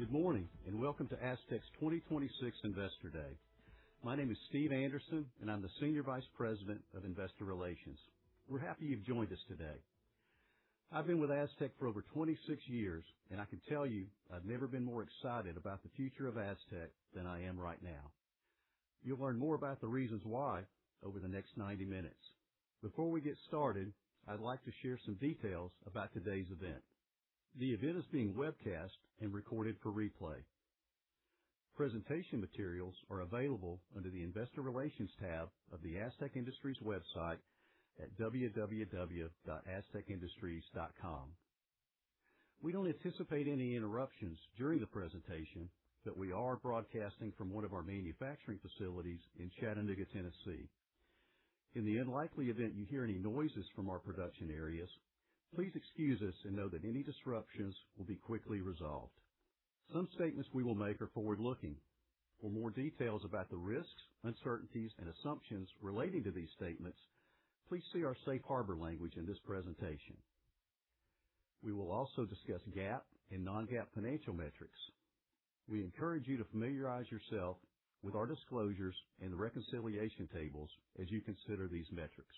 Good morning, and welcome to Astec's 2026 Investor Day. My name is Steve Anderson, and I'm the Senior Vice President of Investor Relations. We're happy you've joined us today. I've been with Astec for over 26 years, and I can tell you I've never been more excited about the future of Astec than I am right now. You'll learn more about the reasons why over the next 90 minutes. Before we get started, I'd like to share some details about today's event. The event is being webcast and recorded for replay. Presentation materials are available under the Investor Relations tab of the Astec Industries website at www.astecindustries.com. We don't anticipate any interruptions during the presentation that we are broadcasting from one of our manufacturing facilities in Chattanooga, Tennessee. In the unlikely event you hear any noises from our production areas, please excuse us and know that any disruptions will be quickly resolved. Some statements we will make are forward-looking. For more details about the risks, uncertainties, and assumptions relating to these statements, please see our safe harbor language in this presentation. We will also discuss GAAP and non-GAAP financial metrics. We encourage you to familiarize yourself with our disclosures and the reconciliation tables as you consider these metrics.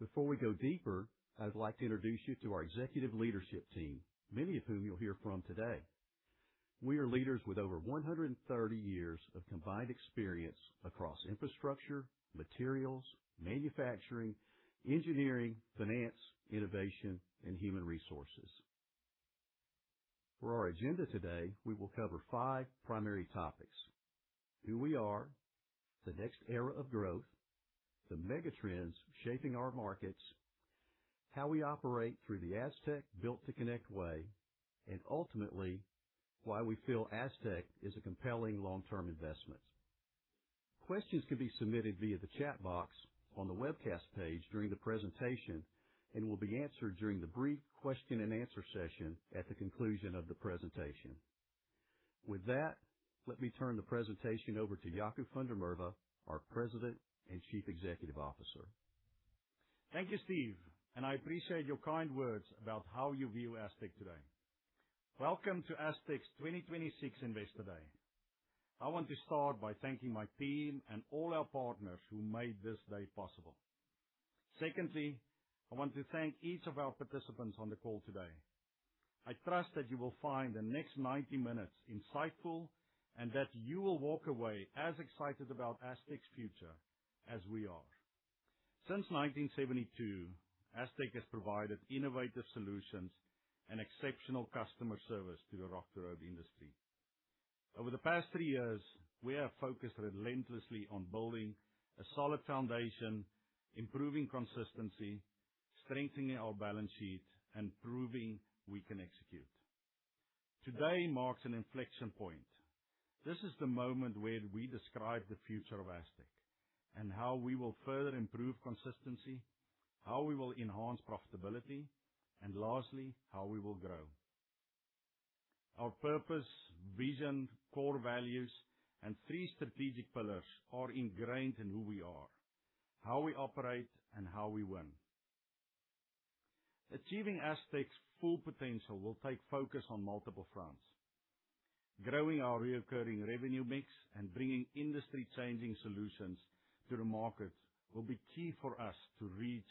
Before we go deeper, I'd like to introduce you to our executive leadership team, many of whom you'll hear from today. We are leaders with over 130 years of combined experience across infrastructure, materials, manufacturing, engineering, finance, innovation, and human resources. For our agenda today, we will cover five primary topics: who we are, the next era of growth, the mega trends shaping our markets, how we operate through the Astec Built to Connect way, and ultimately, why we feel Astec is a compelling long-term investment. Questions can be submitted via the chat box on the webcast page during the presentation and will be answered during the brief question and answer session at the conclusion of the presentation. With that, let me turn the presentation over to Jaco van der Merwe, our President and Chief Executive Officer. Thank you, Steve, and I appreciate your kind words about how you view Astec today. Welcome to Astec's 2026 Investor Day. I want to start by thanking my team and all our partners who made this day possible. Secondly, I want to thank each of our participants on the call today. I trust that you will find the next 90 minutes insightful and that you will walk away as excited about Astec's future as we are. Since 1972, Astec has provided innovative solutions and exceptional customer service to the Rock to Road industry. Over the past three years, we have focused relentlessly on building a solid foundation, improving consistency, strengthening our balance sheet, and proving we can execute. Today marks an inflection point. This is the moment where we describe the future of Astec and how we will further improve consistency, how we will enhance profitability, and lastly, how we will grow. Our purpose, vision, core values, and three strategic pillars are ingrained in who we are, how we operate, and how we win. Achieving Astec's full potential will take focus on multiple fronts. Growing our recurring revenue mix and bringing industry-changing solutions to the market will be key for us to reach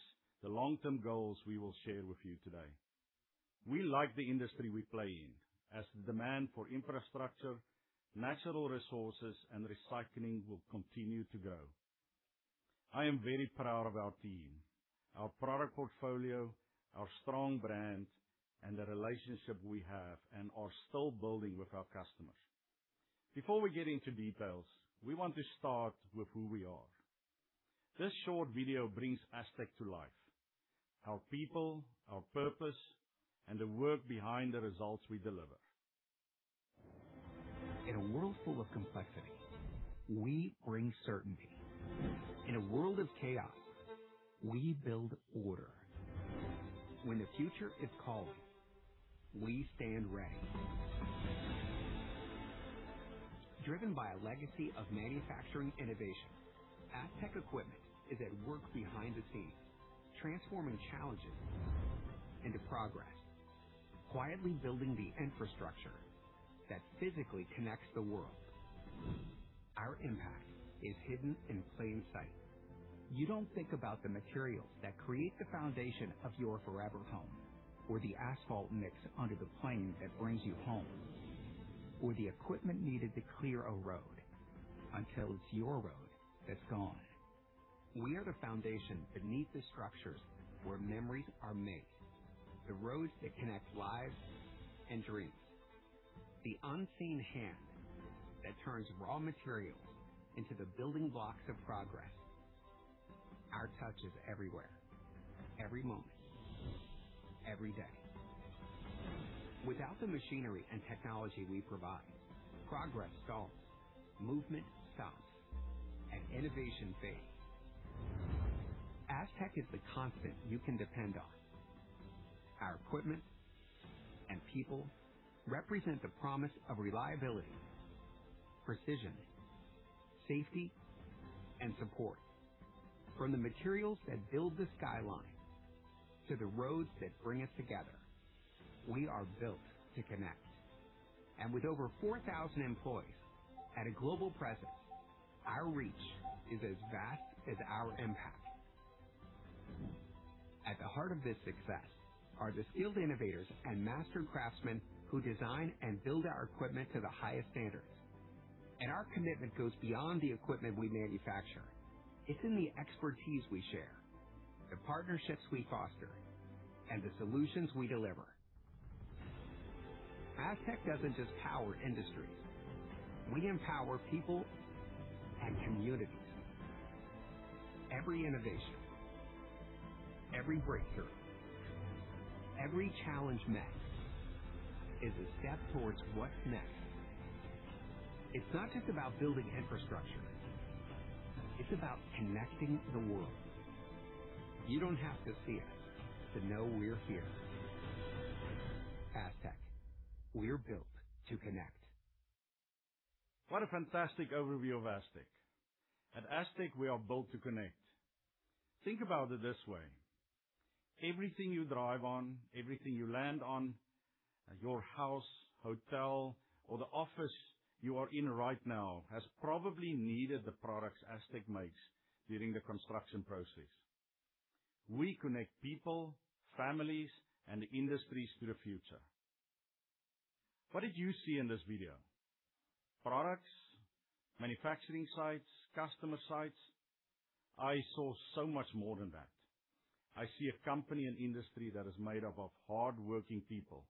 the long-term goals we will share with you today. We like the industry we play in as the demand for infrastructure, natural resources, and recycling will continue to grow. I am very proud of our team, our product portfolio, our strong brand, and the relationship we have and are still building with our customers. Before we get into details, we want to start with who we are. This short video brings Astec to life, our people, our purpose, and the work behind the results we deliver. In a world full of complexity, we bring certainty. In a world of chaos, we build order. When the future is calling, we stand ready. Driven by a legacy of manufacturing innovation, Astec equipment is at work behind the scenes, transforming challenges into progress, quietly building the infrastructure that physically connects the world. Our impact is hidden in plain sight. You don't think about the materials that create the foundation of your forever home or the asphalt mix under the plane that brings you home or the equipment needed to clear a road until it's your road that's gone. We are the foundation beneath the structures where memories are made, the roads that connect lives and dreams. The unseen hand that turns raw materials into the building blocks of progress. Our touch is everywhere, every moment, every day. Without the machinery and technology we provide, progress stalls, movement stops, and innovation fades. Astec is the constant you can depend on. Our equipment and people represent the promise of reliability. Precision, safety, and support. From the materials that build the skyline to the roads that bring us together, we are Built to Connect. With over 4,000 employees and a global presence, our reach is as vast as our impact. At the heart of this success are the skilled innovators and master craftsmen who design and build our equipment to the highest standards. Our commitment goes beyond the equipment we manufacture. It's in the expertise we share, the partnerships we foster, and the solutions we deliver. Astec doesn't just power industries. We empower people and communities. Every innovation, every breakthrough, every challenge met is a step towards what's next. It's not just about building infrastructure. It's about connecting the world. You don't have to see us to know we're here. Astec, we're Built to Connect. What a fantastic overview of Astec. At Astec, we are Built to Connect. Think about it this way. Everything you drive on, everything you land on, your house, hotel, or the office you are in right now has probably needed the products Astec makes during the construction process. We connect people, families, and industries to the future. What did you see in this video? Products, manufacturing sites, customer sites? I saw so much more than that. I see a company and industry that is made up of hardworking people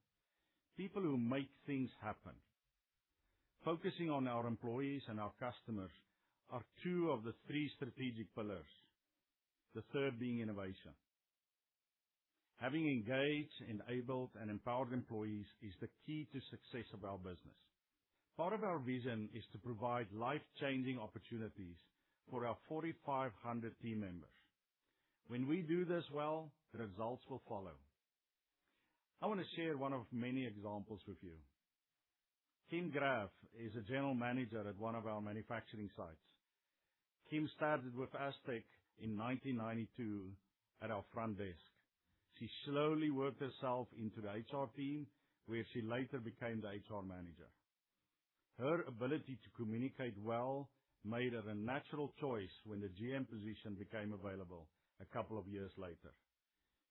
who make things happen. Focusing on our employees and our customers are two of the three strategic pillars, the third being innovation. Having engaged, enabled, and empowered employees is the key to success of our business. Part of our vision is to provide life-changing opportunities for our 4,500 team members. When we do this well, the results will follow. I wanna share one of many examples with you. Kim Graf is a general manager at one of our manufacturing sites. Kim started with Astec in 1992 at our front desk. She slowly worked herself into the HR team, where she later became the HR manager. Her ability to communicate well made her a natural choice when the GM position became available a couple of years later.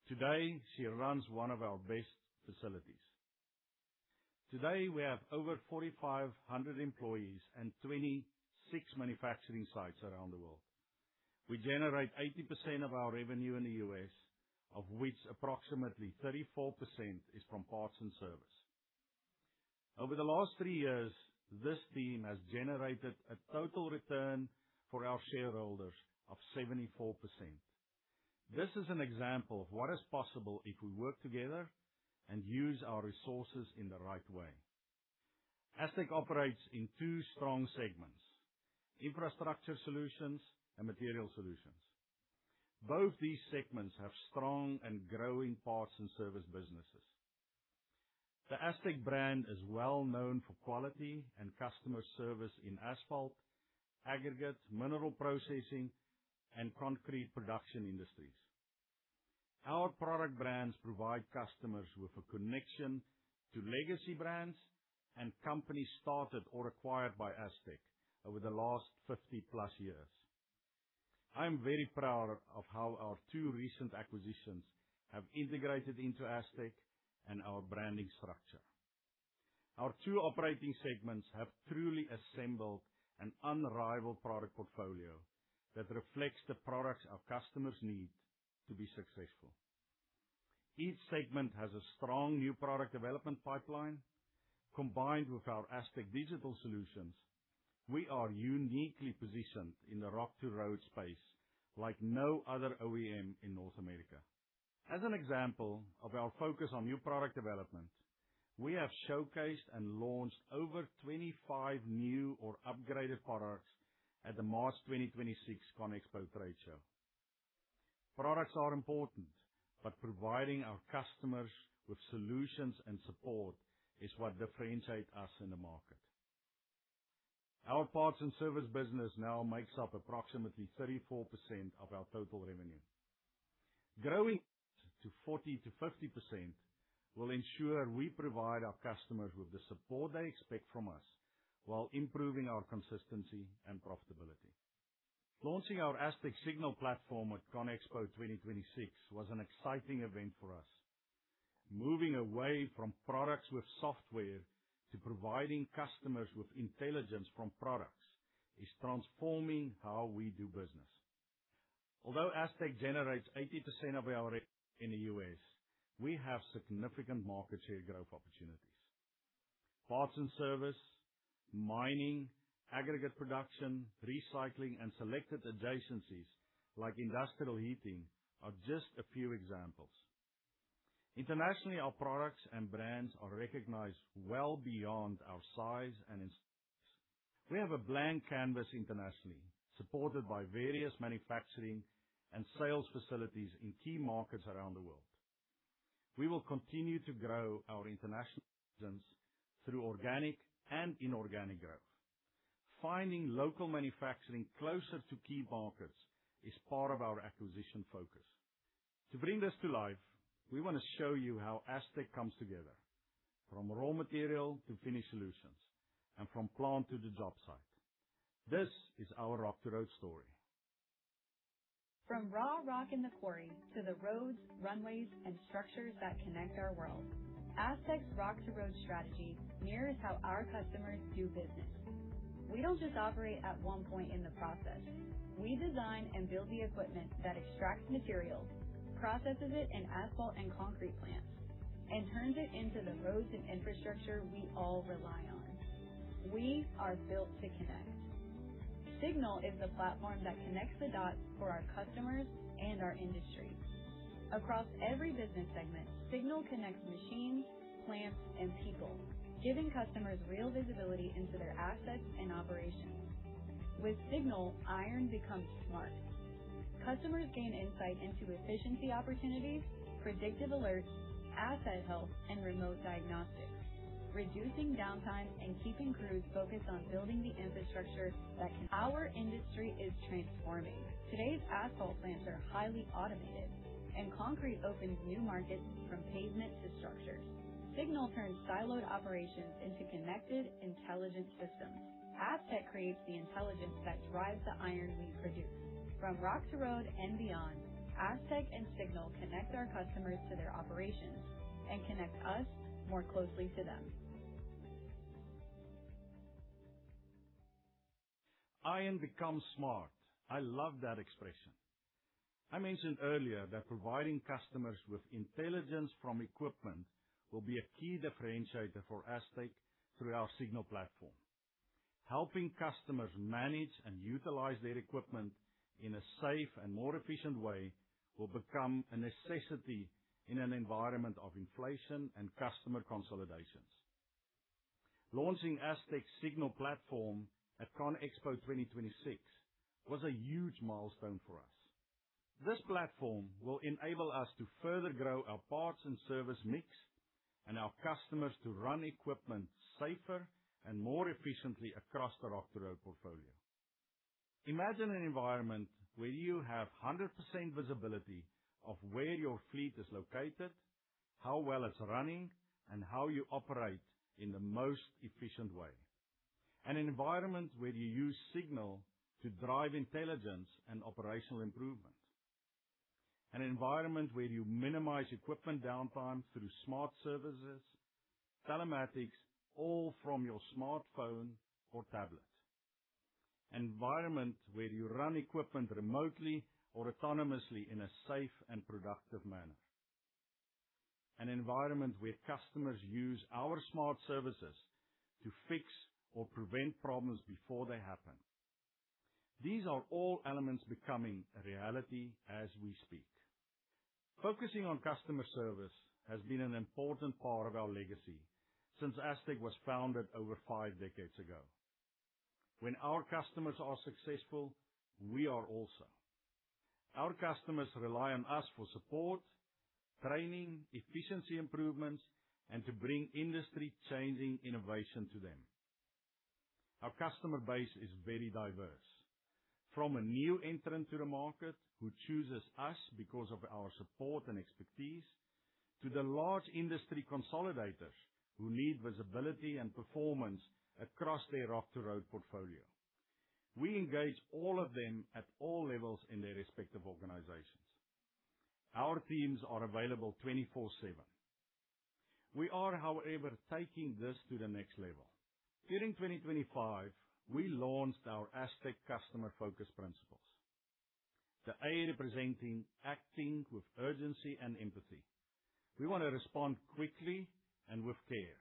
Today, she runs one of our best facilities. Today, we have over 4,500 employees and 26 manufacturing sites around the world. We generate 80% of our revenue in the U.S., of which approximately 34% is from parts and service. Over the last 3 years, this team has generated a total return for our shareholders of 74%. This is an example of what is possible if we work together and use our resources in the right way. Astec operates in two strong segments, Infrastructure Solutions and Materials Solutions. Both these segments have strong and growing parts and service businesses. The Astec brand is well-known for quality and customer service in asphalt, aggregates, mineral processing, and concrete production industries. Our product brands provide customers with a connection to legacy brands and companies started or acquired by Astec over the last 50+ years. I'm very proud of how our two recent acquisitions have integrated into Astec and our branding structure. Our two operating segments have truly assembled an unrivaled product portfolio that reflects the products our customers need to be successful. Each segment has a strong new product development pipeline. Combined with our Astec Digital solutions, we are uniquely positioned in the rock-to-road space like no other OEM in North America. As an example of our focus on new product development, we have showcased and launched over 25 new or upgraded products at the March 2026 CONEXPO-CON/AGG. Products are important, but providing our customers with solutions and support is what differentiates us in the market. Our parts and service business now makes up approximately 34% of our total revenue. Growing to 40%-50% will ensure we provide our customers with the support they expect from us while improving our consistency and profitability. Launching our Astec Signal Platform at CONEXPO-CON/AGG 2026 was an exciting event for us. Moving away from products with software to providing customers with intelligence from products is transforming how we do business. Although Astec generates 80% of our in the U.S., we have significant market share growth opportunities. Parts and service, mining, aggregate production, recycling, and selected adjacencies like industrial heating are just a few examples. Internationally, our products and brands are recognized well beyond our size. We will continue to grow our international presence through organic and inorganic growth. Finding local manufacturing closer to key markets is part of our acquisition focus. To bring this to life, we wanna show you how Astec comes together from raw material to finished solutions and from plant to the job site. This is our Rock to Road story. From raw rock in the quarry to the roads, runways, and structures that connect our world, Astec's Rock to Road strategy mirrors how our customers do business. We don't just operate at one point in the process. We design and build the equipment that extracts materials, processes it in asphalt and concrete plants, and turns it into the roads and infrastructure we all rely on. We are Built to Connect. Signal is the platform that connects the dots for our customers and our industry. Across every business segment, Signal connects machines, plants, and people, giving customers real visibility into their assets and operations. With Signal, iron becomes smart. Customers gain insight into efficiency opportunities, predictive alerts, asset health, and remote diagnostics, reducing downtime and keeping crews focused on building the infrastructure. Our industry is transforming. Today's asphalt plants are highly automated, and concrete opens new markets from pavement to structures. Signal turns siloed operations into connected, intelligent systems. Astec creates the intelligence that drives the iron we produce. From Rock to Road and beyond, Astec and Signal connect our customers to their operations and connect us more closely to them. Iron becomes smart. I love that expression. I mentioned earlier that providing customers with intelligence from equipment will be a key differentiator for Astec through our Signal Platform. Helping customers manage and utilize their equipment in a safe and more efficient way will become a necessity in an environment of inflation and customer consolidations. Launching Astec's Signal Platform at CONEXPO-CON/AGG 2026 was a huge milestone for us. This platform will enable us to further grow our parts and service mix and our customers to run equipment safer and more efficiently across the Rock to Road portfolio. Imagine an environment where you have 100% visibility of where your fleet is located, how well it's running, and how you operate in the most efficient way. An environment where you use Signal to drive intelligence and operational improvement. An environment where you minimize equipment downtime through smart services, telematics, all from your smartphone or tablet. An environment where you run equipment remotely or autonomously in a safe and productive manner. An environment where customers use our smart services to fix or prevent problems before they happen. These are all elements becoming a reality as we speak. Focusing on customer service has been an important part of our legacy since Astec was founded over five decades ago. When our customers are successful, we are also. Our customers rely on us for support, training, efficiency improvements, and to bring industry-changing innovation to them. Our customer base is very diverse. From a new entrant to the market who chooses us because of our support and expertise, to the large industry consolidators who need visibility and performance across their Rock to Road portfolio. We engage all of them at all levels in their respective organizations. Our teams are available 24/7. We are, however, taking this to the next level. During 2025, we launched our Astec customer focus principles. The A representing acting with urgency and empathy. We wanna respond quickly and with care.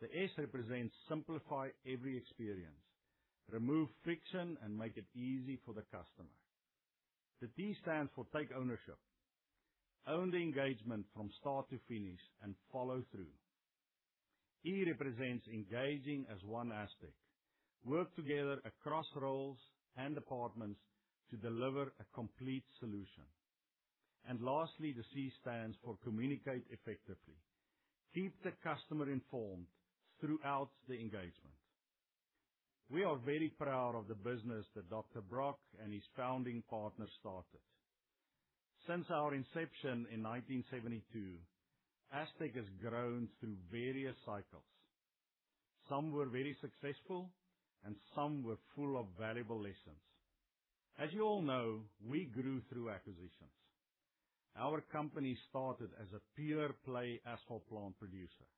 The S represents simplify every experience, remove friction, and make it easy for the customer. The T stands for take ownership. Owns the engagement from start to finish and follow through. E represents engaging as One Astec. Work together across roles and departments to deliver a complete solution. Lastly, the C stands for communicate effectively. Keep the customer informed throughout the engagement. We are very proud of the business that Dr. Brock and his founding partners started. Since our inception in 1972, Astec has grown through various cycles. Some were very successful, and some were full of valuable lessons. As you all know, we grew through acquisitions. Our company started as a pure play asphalt plant producer.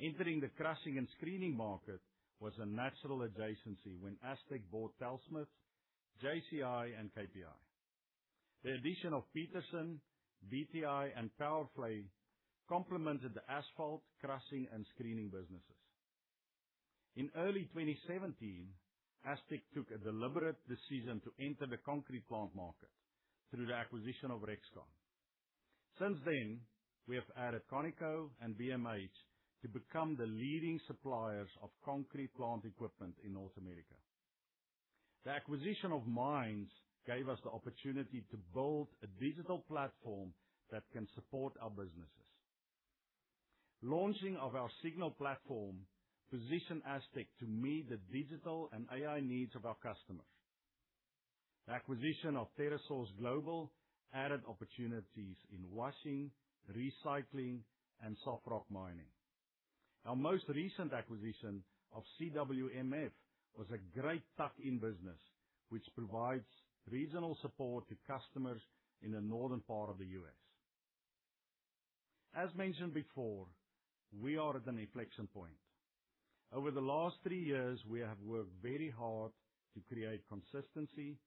Entering the crushing and screening market was a natural adjacency when Astec bought Telsmith, JCI, and KPI. The addition of Peterson, BTI, and Powerscreen complemented the asphalt crushing and screening businesses. In early 2017, Astec took a deliberate decision to enter the concrete plant market through the acquisition of RexCon. Since then, we have added CON-E-CO and BMH to become the leading suppliers of concrete plant equipment in North America. The acquisition of MINDS gave us the opportunity to build a digital platform that can support our businesses. Launching of our Signal Platform positioned Astec to meet the digital and AI needs of our customers. The acquisition of TerraSource Global added opportunities in washing, recycling, and soft rock mining. Our most recent acquisition of CWMF was a great tuck-in business which provides regional support to customers in the northern part of the U.S. As mentioned before, we are at an inflection point. Over the last three years, we have worked very hard to create consistency,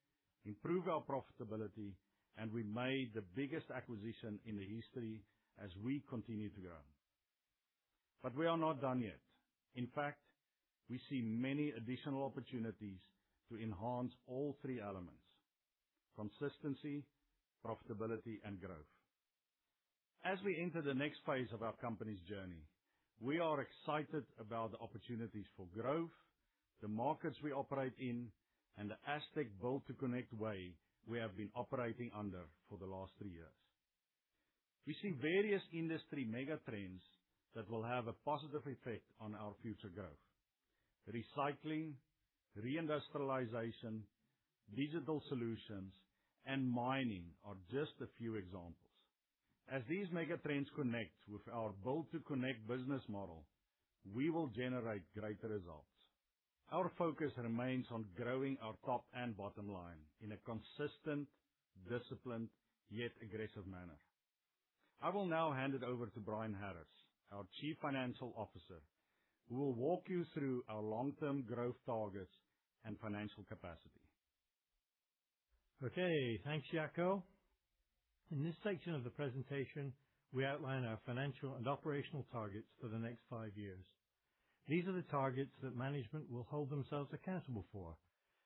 improve our profitability, and we made the biggest acquisition in the history as we continue to grow. We are not done yet. In fact, we see many additional opportunities to enhance all three elements: consistency, profitability, and growth. As we enter the next phase of our company's journey, we are excited about the opportunities for growth, the markets we operate in, and the Astec Built to Connect way we have been operating under for the last three years. We see various industry mega trends that will have a positive effect on our future growth. Recycling, re-industrialization, digital solutions, and mining are just a few examples. As these mega trends connect with our Built to Connect business model, we will generate greater results. Our focus remains on growing our top and bottom line in a consistent, disciplined, yet aggressive manner. I will now hand it over to Brian Harris, our Chief Financial Officer, who will walk you through our long-term growth targets and financial capacity. Okay. Thanks, Jaco. In this section of the presentation, we outline our financial and operational targets for the next five years. These are the targets that management will hold themselves accountable for,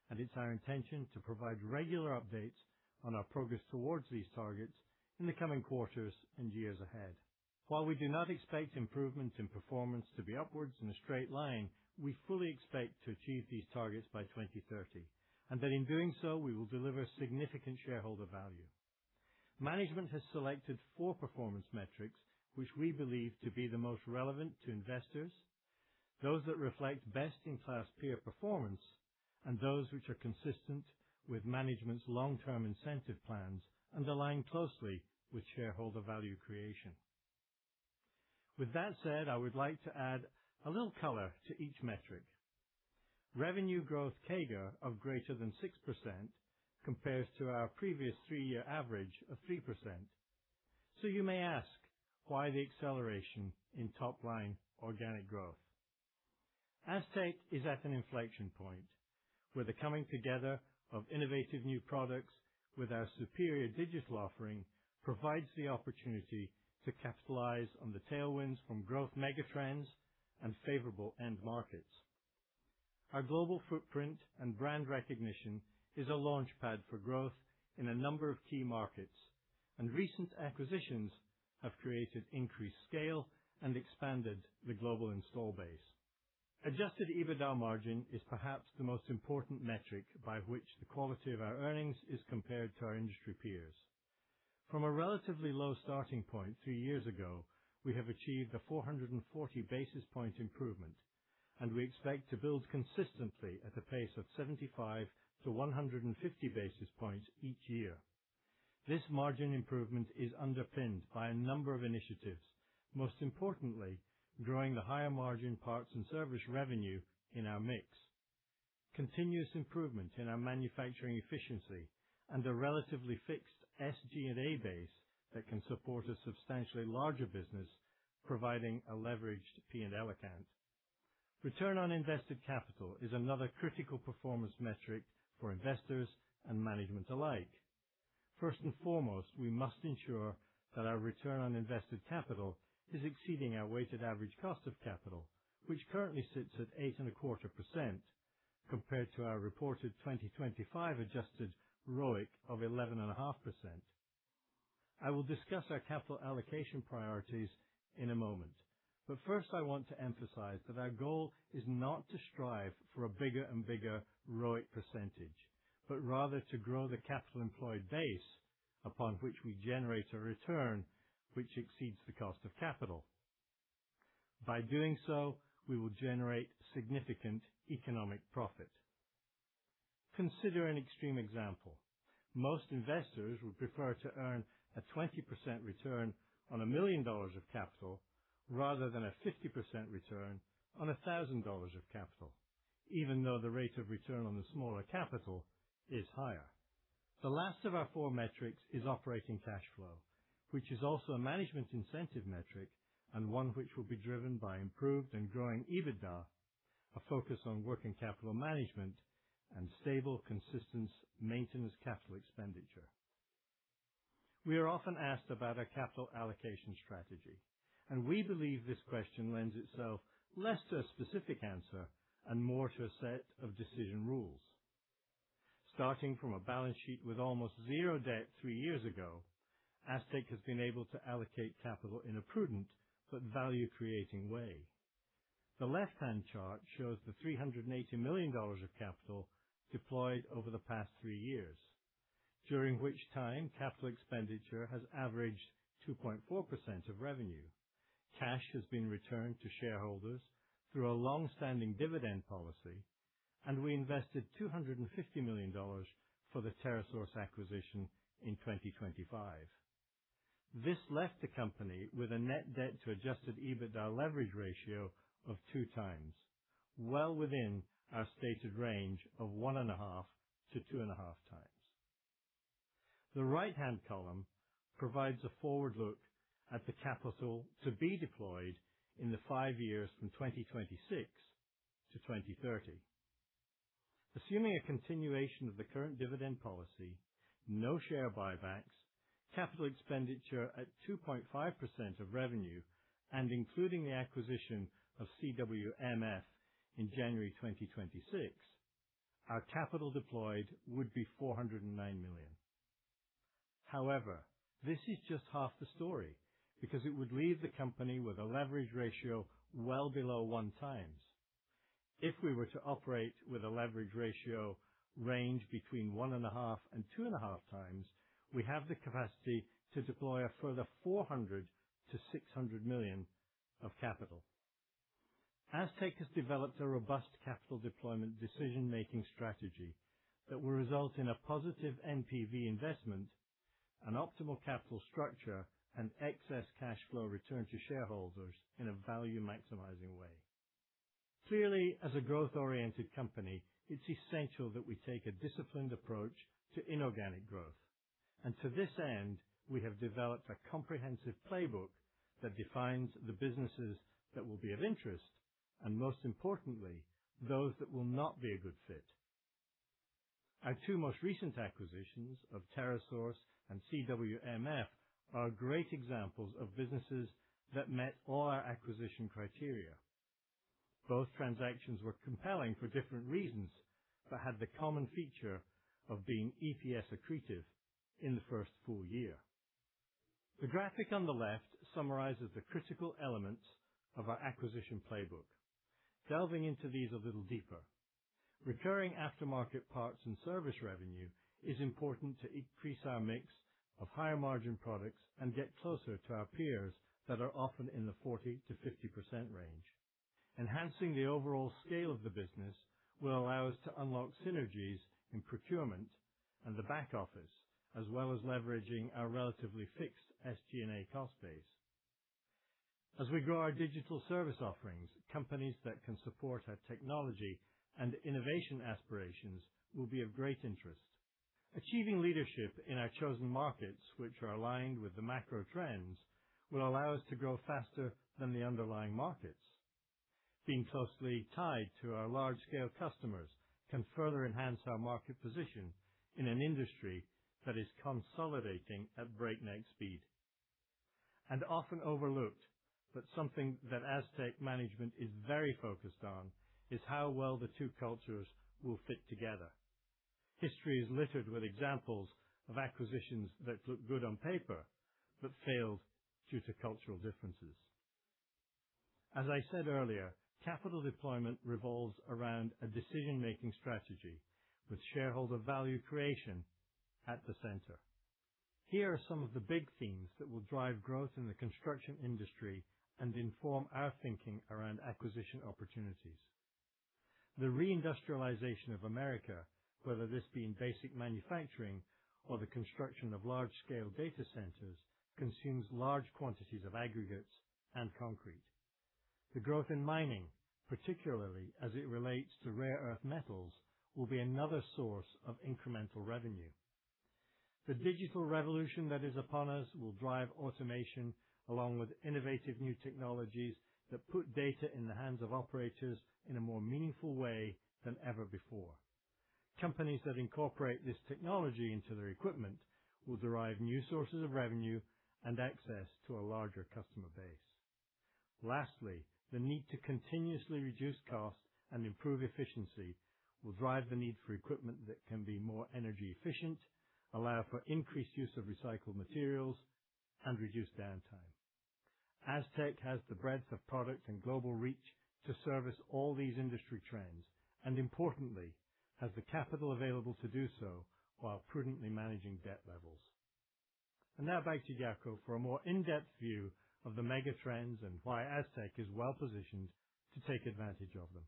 and it's our intention to provide regular updates on our progress towards these targets in the coming quarters and years ahead. While we do not expect improvement in performance to be upwards in a straight line, we fully expect to achieve these targets by 2030, and that in doing so, we will deliver significant shareholder value. Management has selected four performance metrics which we believe to be the most relevant to investors, those that reflect best-in-class peer performance, and those which are consistent with management's long-term incentive plans and align closely with shareholder value creation. With that said, I would like to add a little color to each metric. Revenue growth CAGR of greater than 6% compares to our previous three-year average of 3%. You may ask why the acceleration in top line organic growth. Astec is at an inflection point where the coming together of innovative new products with our superior digital offering provides the opportunity to capitalize on the tailwinds from growth megatrends and favorable end markets. Our global footprint and brand recognition is a launchpad for growth in a number of key markets, and recent acquisitions have created increased scale and expanded the global install base. Adjusted EBITDA margin is perhaps the most important metric by which the quality of our earnings is compared to our industry peers. From a relatively low starting point three years ago, we have achieved a 440 basis point improvement. We expect to build consistently at a pace of 75-150 basis points each year. This margin improvement is underpinned by a number of initiatives, most importantly, growing the higher margin parts and service revenue in our mix. Continuous improvement in our manufacturing efficiency, a relatively fixed SG&A base that can support a substantially larger business, providing a leveraged P&L account. Return on invested capital is another critical performance metric for investors and management alike. First and foremost, we must ensure that our return on invested capital is exceeding our weighted average cost of capital, which currently sits at 8.25% compared to our reported 2025 adjusted ROIC of 11.5%. I will discuss our capital allocation priorities in a moment, but first, I want to emphasize that our goal is not to strive for a bigger and bigger ROIC %, but rather to grow the capital employed base upon which we generate a return which exceeds the cost of capital. By doing so, we will generate significant economic profit. Consider an extreme example. Most investors would prefer to earn a 20% return on $1 million of capital rather than a 50% return on $1,000 of capital, even though the rate of return on the smaller capital is higher. The last of our four metrics is operating cash flow, which is also a management incentive metric and one which will be driven by improved and growing EBITDA, a focus on working capital management, and stable, consistent maintenance capital expenditure. We are often asked about our capital allocation strategy. We believe this question lends itself less to a specific answer and more to a set of decision rules. Starting from a balance sheet with almost zero debt three years ago, Astec has been able to allocate capital in a prudent but value-creating way. The left-hand chart shows the $380 million of capital deployed over the past three years, during which time capital expenditure has averaged 2.4% of revenue. Cash has been returned to shareholders through a long-standing dividend policy. We invested $250 million for the TerraSource acquisition in 2025. This left the company with a net debt to adjusted EBITDA leverage ratio of 2x, well within our stated range of 1.5 to 2.5x. The right-hand column provides a forward look at the capital to be deployed in the five years from 2026 to 2030. Assuming a continuation of the current dividend policy, no share buybacks, capital expenditure at 2.5% of revenue, and including the acquisition of CWMF in January 2026, our capital deployed would be $409 million. However, this is just half the story because it would leave the company with a leverage ratio well below 1 times. If we were to operate with a leverage ratio range between 1.5-2.5x, we have the capacity to deploy a further $400 million-$600 million of capital. Astec has developed a robust capital deployment decision-making strategy that will result in a positive NPV investment, an optimal capital structure, and excess cash flow returned to shareholders in a value-maximizing way. Clearly, as a growth-oriented company, it's essential that we take a disciplined approach to inorganic growth. To this end, we have developed a comprehensive playbook that defines the businesses that will be of interest, and most importantly, those that will not be a good fit. Our two most recent acquisitions of TerraSource and CWMF are great examples of businesses that met all our acquisition criteria. Both transactions were compelling for different reasons, but had the common feature of being EPS accretive in the first full year. The graphic on the left summarizes the critical elements of our acquisition playbook. Delving into these a little deeper. Recurring aftermarket parts and service revenue is important to increase our mix of higher-margin products and get closer to our peers that are often in the 40%-50% range. Enhancing the overall scale of the business will allow us to unlock synergies in procurement and the back office, as well as leveraging our relatively fixed SG&A cost base. As we grow our digital service offerings, companies that can support our technology and innovation aspirations will be of great interest. Achieving leadership in our chosen markets, which are aligned with the macro trends, will allow us to grow faster than the underlying markets. Being closely tied to our large-scale customers can further enhance our market position in an industry that is consolidating at breakneck speed. Often overlooked, but something that Astec management is very focused on, is how well the two cultures will fit together. History is littered with examples of acquisitions that look good on paper but failed due to cultural differences. As I said earlier, capital deployment revolves around a decision-making strategy with shareholder value creation at the center. Here are some of the big themes that will drive growth in the construction industry and inform our thinking around acquisition opportunities. The reindustrialization of America, whether this being basic manufacturing or the construction of large-scale data centers, consumes large quantities of aggregates and concrete. The growth in mining, particularly as it relates to rare earth metals, will be another source of incremental revenue. The digital revolution that is upon us will drive automation along with innovative new technologies that put data in the hands of operators in a more meaningful way than ever before. Companies that incorporate this technology into their equipment will derive new sources of revenue and access to a larger customer base. Lastly, the need to continuously reduce cost and improve efficiency will drive the need for equipment that can be more energy efficient, allow for increased use of recycled materials, and reduce downtime. Astec has the breadth of products and global reach to service all these industry trends, and importantly, has the capital available to do so while prudently managing debt levels. Now back to Jaco for a more in-depth view of the mega trends and why Astec is well-positioned to take advantage of them.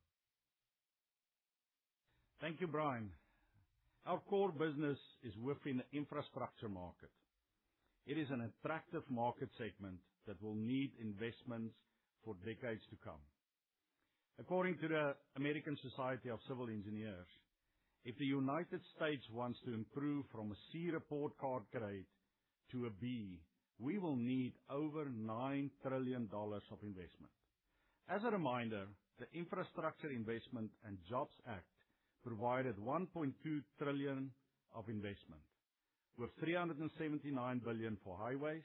Thank you, Brian. Our core business is within the infrastructure market. It is an attractive market segment that will need investments for decades to come. According to the American Society of Civil Engineers, if the United States wants to improve from a C report card grade to a B, we will need over $9 trillion of investment. As a reminder, the Infrastructure Investment and Jobs Act provided $1.2 trillion of investment, with $379 billion for highways,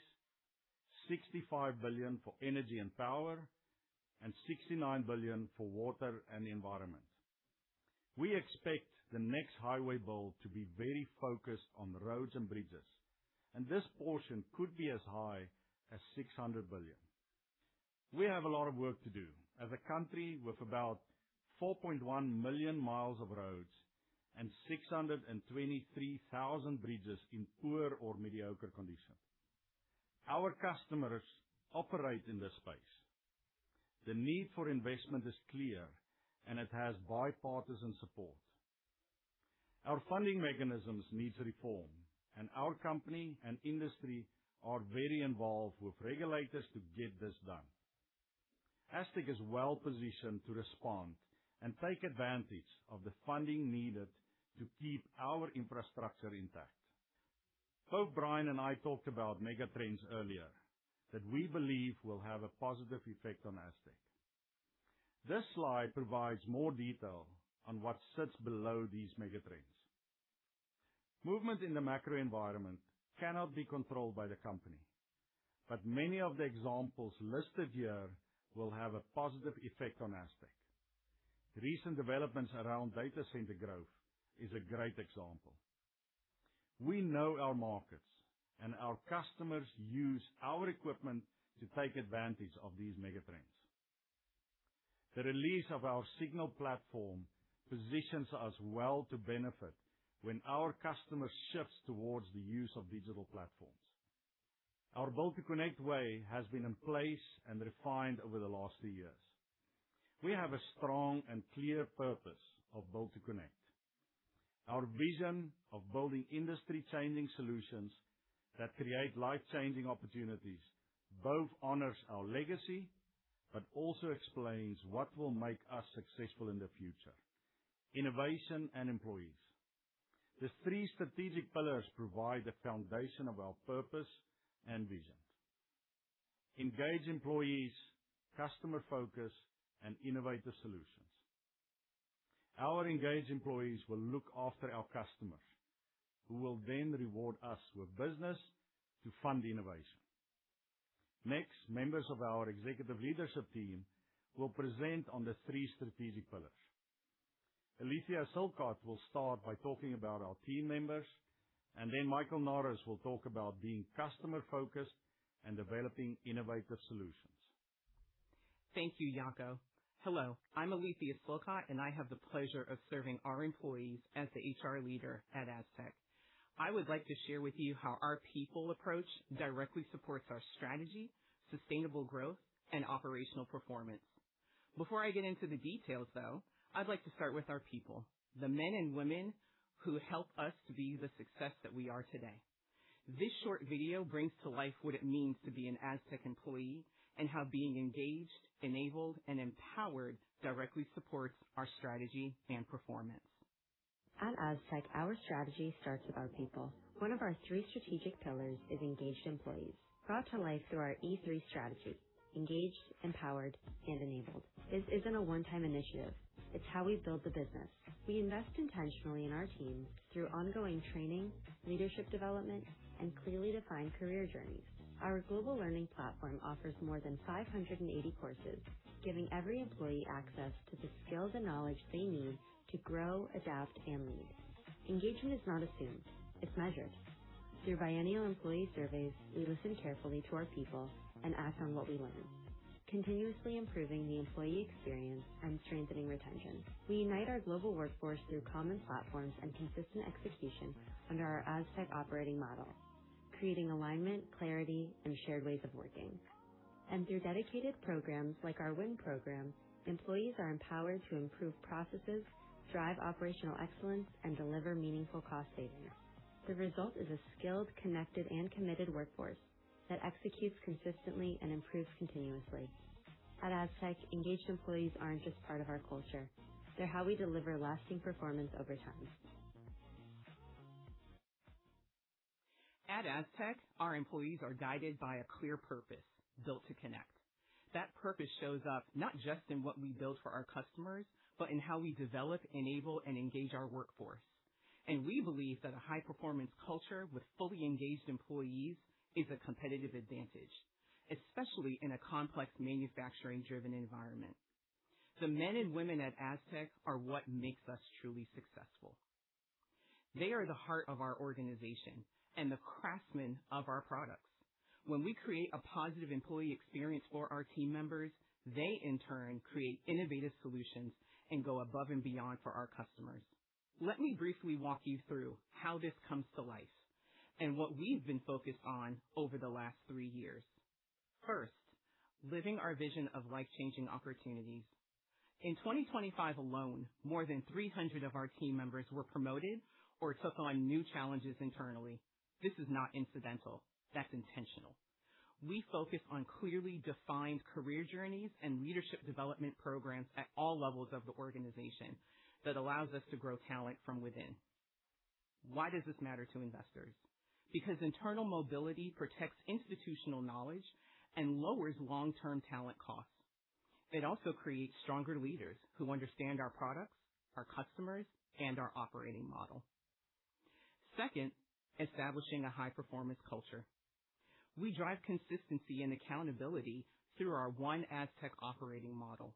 $65 billion for energy and power, and $69 billion for water and the environment. We expect the next highway bill to be very focused on roads and bridges, and this portion could be as high as $600 billion. We have a lot of work to do as a country with about 4.1 million miles of roads and 623,000 bridges in poor or mediocre condition. Our customers operate in this space. The need for investment is clear, and it has bipartisan support. Our funding mechanisms need reform, and our company and industry are very involved with regulators to get this done. Astec is well-positioned to respond and take advantage of the funding needed to keep our infrastructure intact. Both Brian and I talked about megatrends earlier that we believe will have a positive effect on Astec. This slide provides more detail on what sits below these megatrends. Movements in the macro environment cannot be controlled by the company, but many of the examples listed here will have a positive effect on Astec. Recent developments around data center growth are a great example. We know our markets, and our customers use our equipment to take advantage of these megatrends. The release of our Signal Platform positions us well to benefit when our customers shifts towards the use of digital platforms. Our Built to Connect way has been in place and refined over the last two years. We have a strong and clear purpose of Built to Connect. Our vision of building industry-changing solutions that create life-changing opportunities both honors our legacy but also explains what will make us successful in the future, innovation and employees. The three strategic pillars provide the foundation of our purpose and vision, engaged employees, customer focus, and innovative solutions. Our engaged employees will look after our customers, who will then reward us with business to fund innovation. Next, members of our executive leadership team will present on the three strategic pillars. Aletheia Silcott will start by talking about our team members, and then Michael Norris will talk about being customer-focused and developing innovative solutions. Thank you, Jaco. Hello, I'm Aletheia Silcott, and I have the pleasure of serving our employees as the HR leader at Astec. I would like to share with you how our people approach directly supports our strategy, sustainable growth, and operational performance. Before I get into the details, though, I'd like to start with our people, the men and women who help us to be the success that we are today. This short video brings to life what it means to be an Astec employee and how being engaged, enabled, and empowered directly supports our strategy and performance. At Astec, our strategy starts with our people. One of our three strategic pillars is engaged employees, brought to life through our E3 strategy, engaged, empowered, and enabled. This isn't a one-time initiative. It's how we build the business. We invest intentionally in our team through ongoing training, leadership development, and clearly defined career journeys. Our global learning platform offers more than 580 courses, giving every employee access to the skills and knowledge they need to grow, adapt, and lead. Engagement is not assumed. It's measured. Through biennial employee surveys, we listen carefully to our people and act on what we learn, continuously improving the employee experience and strengthening retention. We unite our global workforce through common platforms and consistent execution under our Astec operating model, creating alignment, clarity, and shared ways of working. Through dedicated programs like our WIN program, employees are empowered to improve processes, drive operational excellence, and deliver meaningful cost savings. The result is a skilled, connected, and committed workforce that executes consistently and improves continuously. At Astec, engaged employees aren't just part of our culture. They're how we deliver lasting performance over time. At Astec, our employees are guided by a clear purpose, Built to Connect. That purpose shows up not just in what we build for our customers, but in how we develop, enable, and engage our workforce. We believe that a high-performance culture with fully engaged employees is a competitive advantage, especially in a complex manufacturing-driven environment. The men and women at Astec are what makes us truly successful. They are the heart of our organization and the craftsmen of our products. When we create a positive employee experience for our team members, they in turn create innovative solutions and go above and beyond for our customers. Let me briefly walk you through how this comes to life and what we've been focused on over the last three years. First, living our vision of life-changing opportunities. In 2025 alone, more than 300 of our team members were promoted or took on new challenges internally. This is not incidental. That's intentional. We focus on clearly defined career journeys and leadership development programs at all levels of the organization that allows us to grow talent from within. Why does this matter to investors? Internal mobility protects institutional knowledge and lowers long-term talent costs. It also creates stronger leaders who understand our products, our customers, and our operating model. Second, establishing a high performance culture. We drive consistency and accountability through our One Astec operating model,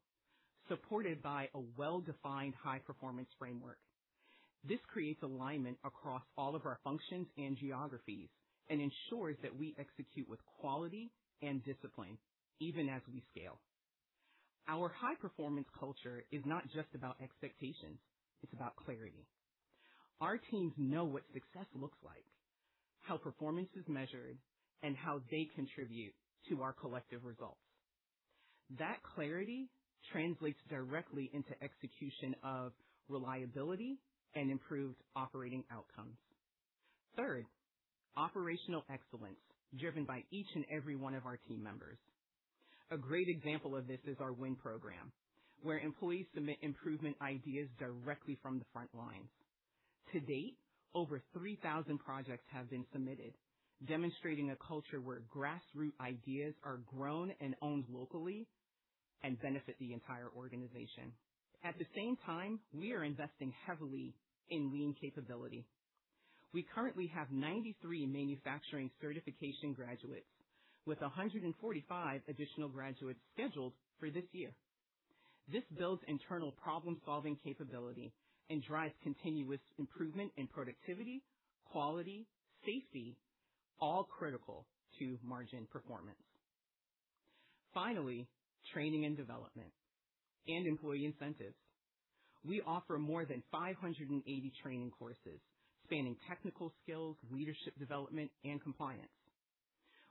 supported by a well-defined high performance framework. This creates alignment across all of our functions and geographies and ensures that we execute with quality and discipline even as we scale. Our high performance culture is not just about expectations, it's about clarity. Our teams know what success looks like, how performance is measured, and how they contribute to our collective results. That clarity translates directly into execution of reliability and improved operating outcomes. Third, operational excellence driven by each and every one of our team members. A great example of this is our WIN program, where employees submit improvement ideas directly from the front lines. To date, over 3,000 projects have been submitted, demonstrating a culture where grassroots ideas are grown and owned locally and benefit the entire organization. At the same time, we are investing heavily in lean capability. We currently have 93 manufacturing certification graduates with 145 additional graduates scheduled for this year. This builds internal problem solving capability and drives continuous improvement in productivity, quality, safety, all critical to margin performance. Finally, training and development and employee incentives. We offer more than 580 training courses spanning technical skills, leadership development, and compliance.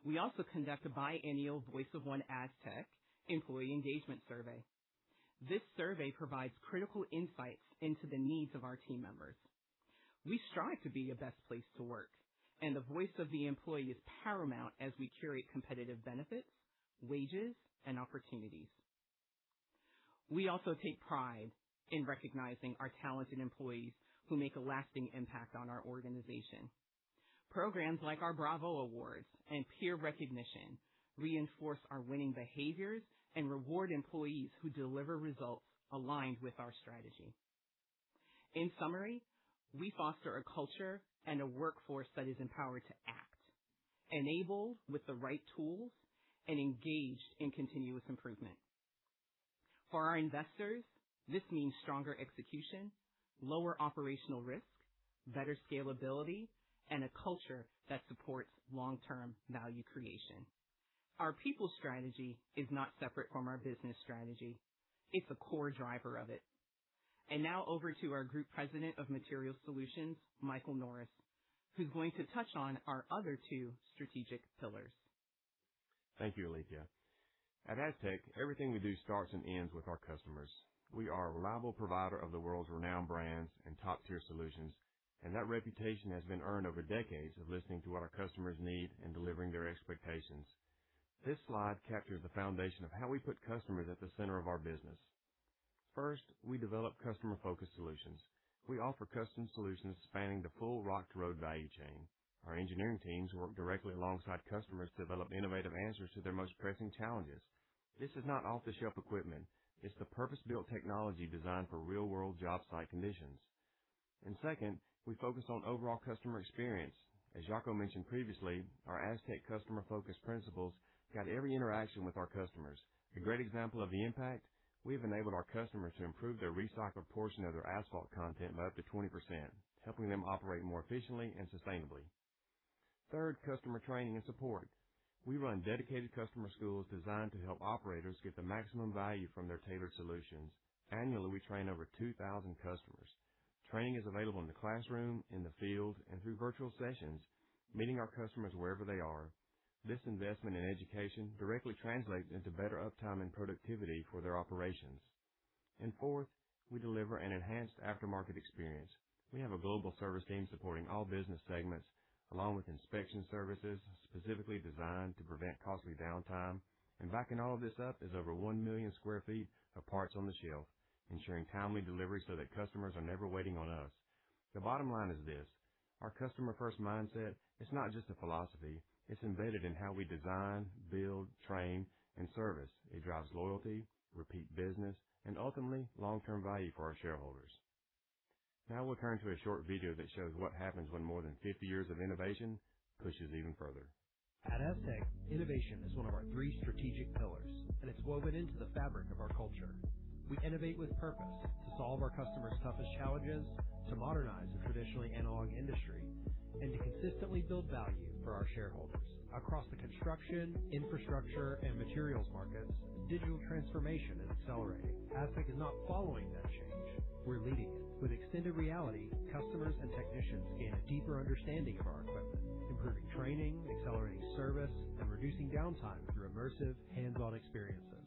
We also conduct a biannual Voice of One Astec employee engagement survey. This survey provides critical insights into the needs of our team members. We strive to be a best place to work, and the voice of the employee is paramount as we curate competitive benefits, wages, and opportunities. We also take pride in recognizing our talented employees who make a lasting impact on our organization. Programs like our Bravo Awards and peer recognition reinforce our winning behaviors and reward employees who deliver results aligned with our strategy. In summary, we foster a culture and a workforce that is empowered to act, enabled with the right tools, and engaged in continuous improvement. For our investors, this means stronger execution, lower operational risk, better scalability, and a culture that supports long term value creation. Our people strategy is not separate from our business strategy. It's a core driver of it. Now over to our Group President of Materials Solutions, Michael Norris, who's going to touch on our other two strategic pillars. Thank you, Aletheia. At Astec, everything we do starts and ends with our customers. We are a reliable provider of the world's renowned brands and top tier solutions. That reputation has been earned over decades of listening to what our customers need and delivering their expectations. This slide captures the foundation of how we put customers at the center of our business. First, we develop customer-focused solutions. We offer custom solutions spanning the full Rock to Road value chain. Our engineering teams work directly alongside customers to develop innovative answers to their most pressing challenges. This is not off-the-shelf equipment. It's the purpose-built technology designed for real-world job site conditions. Second, we focus on overall customer experience. As Jaco van der Merwe mentioned previously, our Astec customer focus principles guide every interaction with our customers. A great example of the impact, we have enabled our customers to improve their recycled portion of their asphalt content by up to 20%, helping them operate more efficiently and sustainably. Third, customer training and support. We run dedicated customer schools designed to help operators get the maximum value from their tailored solutions. Annually, we train over 2,000 customers. Training is available in the classroom, in the field, and through virtual sessions, meeting our customers wherever they are. This investment in education directly translates into better uptime and productivity for their operations. Fourth, we deliver an enhanced aftermarket experience. We have a global service team supporting all business segments along with inspection services specifically designed to prevent costly downtime. Backing all of this up is over 1 million sq ft of parts on the shelf, ensuring timely delivery so that customers are never waiting on us. The bottom line is this: our customer first mindset is not just a philosophy, it's embedded in how we design, build, train, and service. It drives loyalty, repeat business, and ultimately long term value for our shareholders. Now we'll turn to a short video that shows what happens when more than 50 years of innovation pushes even further. At Astec, innovation is one of our 3 strategic pillars, and it's woven into the fabric of our culture. We innovate with purpose to solve our customers' toughest challenges, to modernize a traditionally analog industry, and to consistently build value for our shareholders. Across the construction, infrastructure, and materials markets, digital transformation is accelerating. Astec is not following that change. We're leading it. With extended reality, customers and technicians gain a deeper understanding of our equipment, improving training, accelerating service, and reducing downtime through immersive hands-on experiences.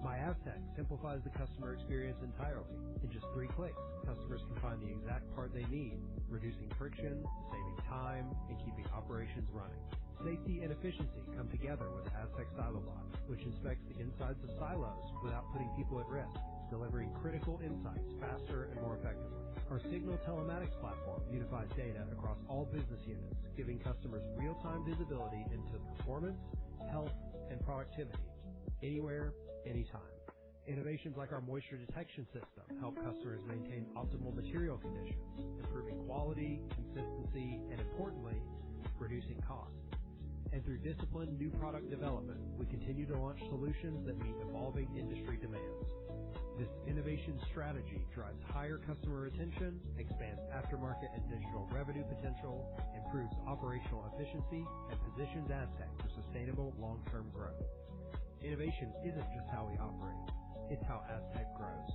MyAstec simplifies the customer experience entirely. In just 3 clicks, customers can find the exact part they need, reducing friction, saving time, and keeping operations running. Safety and efficiency come together with Astec Silobot, which inspects the insides of silos without putting people at risk, delivering critical insights faster and more effectively. Our Signal telematics platform unifies data across all business units, giving customers real-time visibility into performance, health, and productivity anywhere, anytime. Innovations like our moisture detection system help customers maintain optimal material conditions, improving quality, consistency, and importantly, reducing costs. Through disciplined new product development, we continue to launch solutions that meet evolving industry demands. This innovation strategy drives higher customer retention, expands aftermarket and digital revenue potential, improves operational efficiency, and positions Astec for sustainable long-term growth. Innovation isn't just how we operate, it's how Astec grows.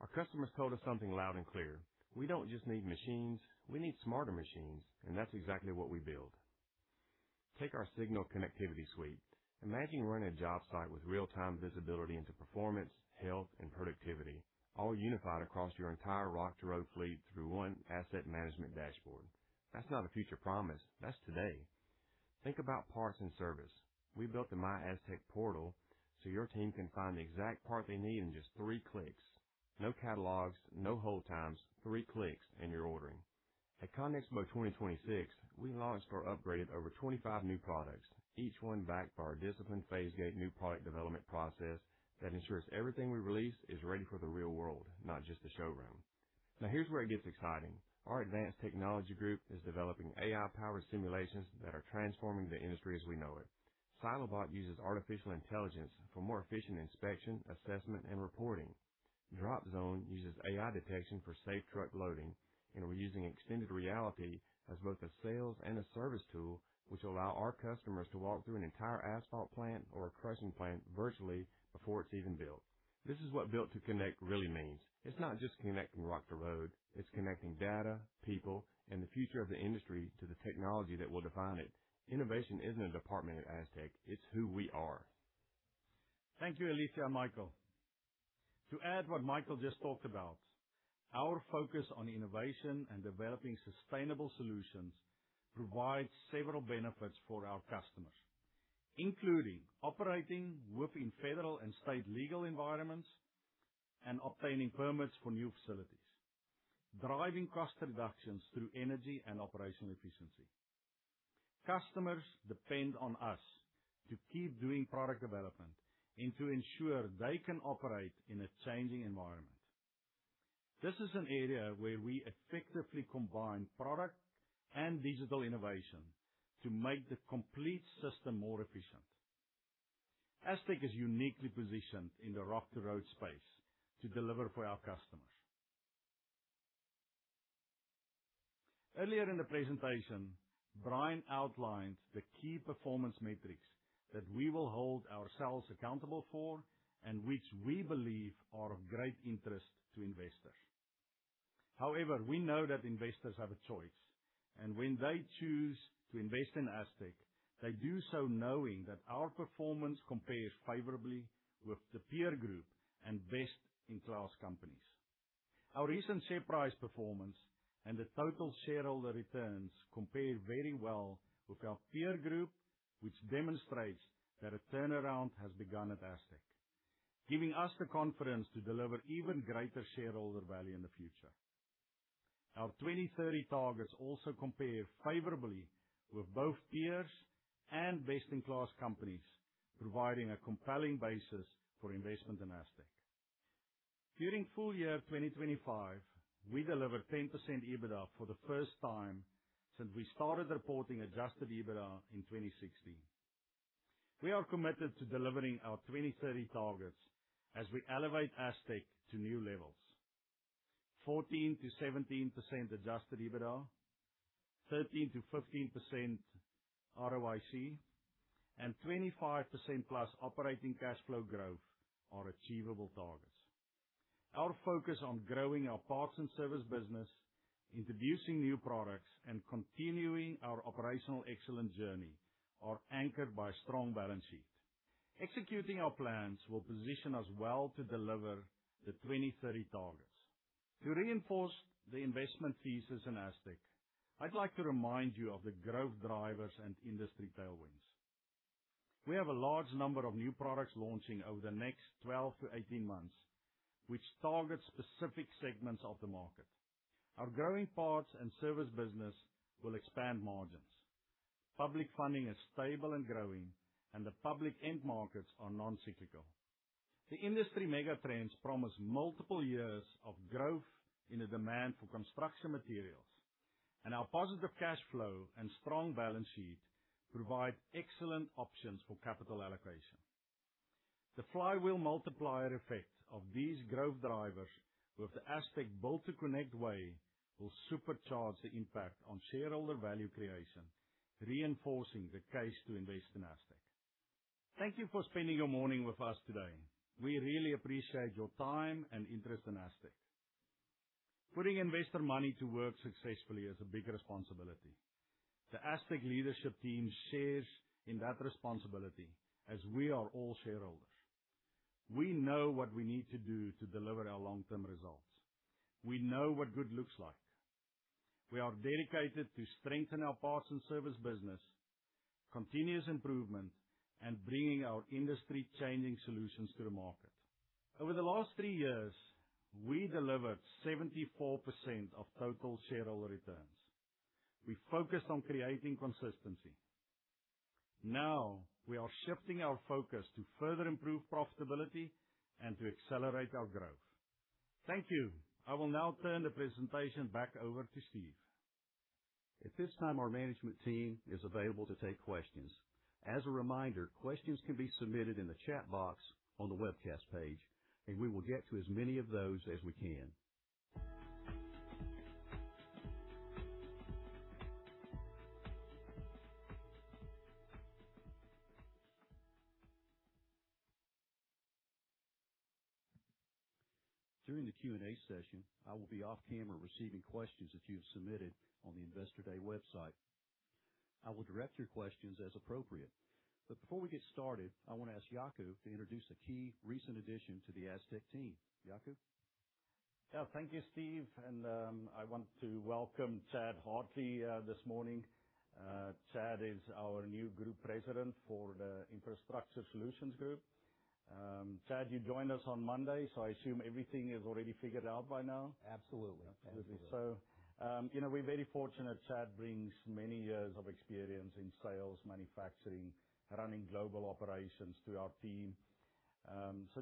Our customers told us something loud and clear. We don't just need machines, we need smarter machines. That's exactly what we build. Take our Signal Connectivity Suite. Imagine running a job site with real-time visibility into performance, health, and productivity, all unified across your entire Rock to Road fleet through one asset management dashboard. That's not a future promise, that's today. Think about parts and service. We built the MyAstec portal so your team can find the exact part they need in just 3 clicks. No catalogs, no hold times, 3 clicks and you're ordering. At CONEXPO-CON/AGG 2026, we launched or upgraded over 25 new products, each one backed by our disciplined phase-gate new product development process that ensures everything we release is ready for the real world, not just the showroom. Now here's where it gets exciting. Our advanced technology group is developing AI-powered simulations that are transforming the industry as we know it. Silobot uses artificial intelligence for more efficient inspection, assessment, and reporting. DropZone uses AI detection for safe truck loading, and we're using extended reality as both a sales and a service tool, which will allow our customers to walk through an entire asphalt plant or a crushing plant virtually before it's even built. This is what Built to Connect really means. It's not just connecting rock to road, it's connecting data, people, and the future of the industry to the technology that will define it. Innovation isn't a department at Astec, it's who we are. Thank you, Aletheia Silcott and Michael Norris. To add what Michael Norris just talked about, our focus on innovation and developing sustainable solutions provides several benefits for our customers, including operating within federal and state legal environments and obtaining permits for new facilities, driving cost reductions through energy and operational efficiency. Customers depend on us to keep doing product development and to ensure they can operate in a changing environment. This is an area where we effectively combine product and digital innovation to make the complete system more efficient. Astec is uniquely positioned in the rock to road space to deliver for our customers. Earlier in the presentation, Brian J. Harris outlined the key performance metrics that we will hold ourselves accountable for and which we believe are of great interest to investors. However, we know that investors have a choice, and when they choose to invest in Astec, they do so knowing that our performance compares favorably with the peer group and best-in-class companies. Our recent share price performance and the total shareholder returns compare very well with our peer group, which demonstrates that a turnaround has begun at Astec, giving us the confidence to deliver even greater shareholder value in the future. Our 2030 targets also compare favorably with both peers and best-in-class companies, providing a compelling basis for investment in Astec. During full year 2025, we delivered 10% EBITDA for the first time since we started reporting adjusted EBITDA in 2016. We are committed to delivering our 2030 targets as we elevate Astec to new levels. 14%-17% adjusted EBITDA, 13%-15% ROIC, and 25%+ operating cash flow growth are achievable targets. Our focus on growing our parts and service business, introducing new products, and continuing our operational excellence journey are anchored by a strong balance sheet. Executing our plans will position us well to deliver the 2030 targets. To reinforce the investment thesis in Astec, I'd like to remind you of the growth drivers and industry tailwinds. We have a large number of new products launching over the next 12-18 months, which target specific segments of the market. Our growing parts and service business will expand margins. Public funding is stable and growing, and the public end markets are non-cyclical. The industry mega trends promise multiple years of growth in the demand for construction materials, and our positive cash flow and strong balance sheet provide excellent options for capital allocation. The flywheel multiplier effect of these growth drivers with the Astec Built to Connect way will supercharge the impact on shareholder value creation, reinforcing the case to invest in Astec. Thank you for spending your morning with us today. We really appreciate your time and interest in Astec. Putting investor money to work successfully is a big responsibility. The Astec leadership team shares in that responsibility as we are all shareholders. We know what we need to do to deliver our long-term results. We know what good looks like. We are dedicated to strengthen our parts and service business, continuous improvement, and bringing our industry-changing solutions to the market. Over the last three years, we delivered 74% of total shareholder returns. We focused on creating consistency. Now we are shifting our focus to further improve profitability and to accelerate our growth. Thank you. I will now turn the presentation back over to Steve. At this time, our management team is available to take questions. As a reminder, questions can be submitted in the chat box on the webcast page, and we will get to as many of those as we can. During the Q&A session, I will be off-camera receiving questions that you have submitted on the Investor Day website. I will direct your questions as appropriate. Before we get started, I wanna ask Jaco to introduce a key recent addition to the Astec team. Jaco. Yeah. Thank you, Steve. I want to welcome Chad Hartley this morning. Chad is our new Group President for the Infrastructure Solutions Group. Chad, you joined us on Monday, so I assume everything is already figured out by now. Absolutely. You know, we're very fortunate. Chad brings many years of experience in sales, manufacturing, running global operations to our team.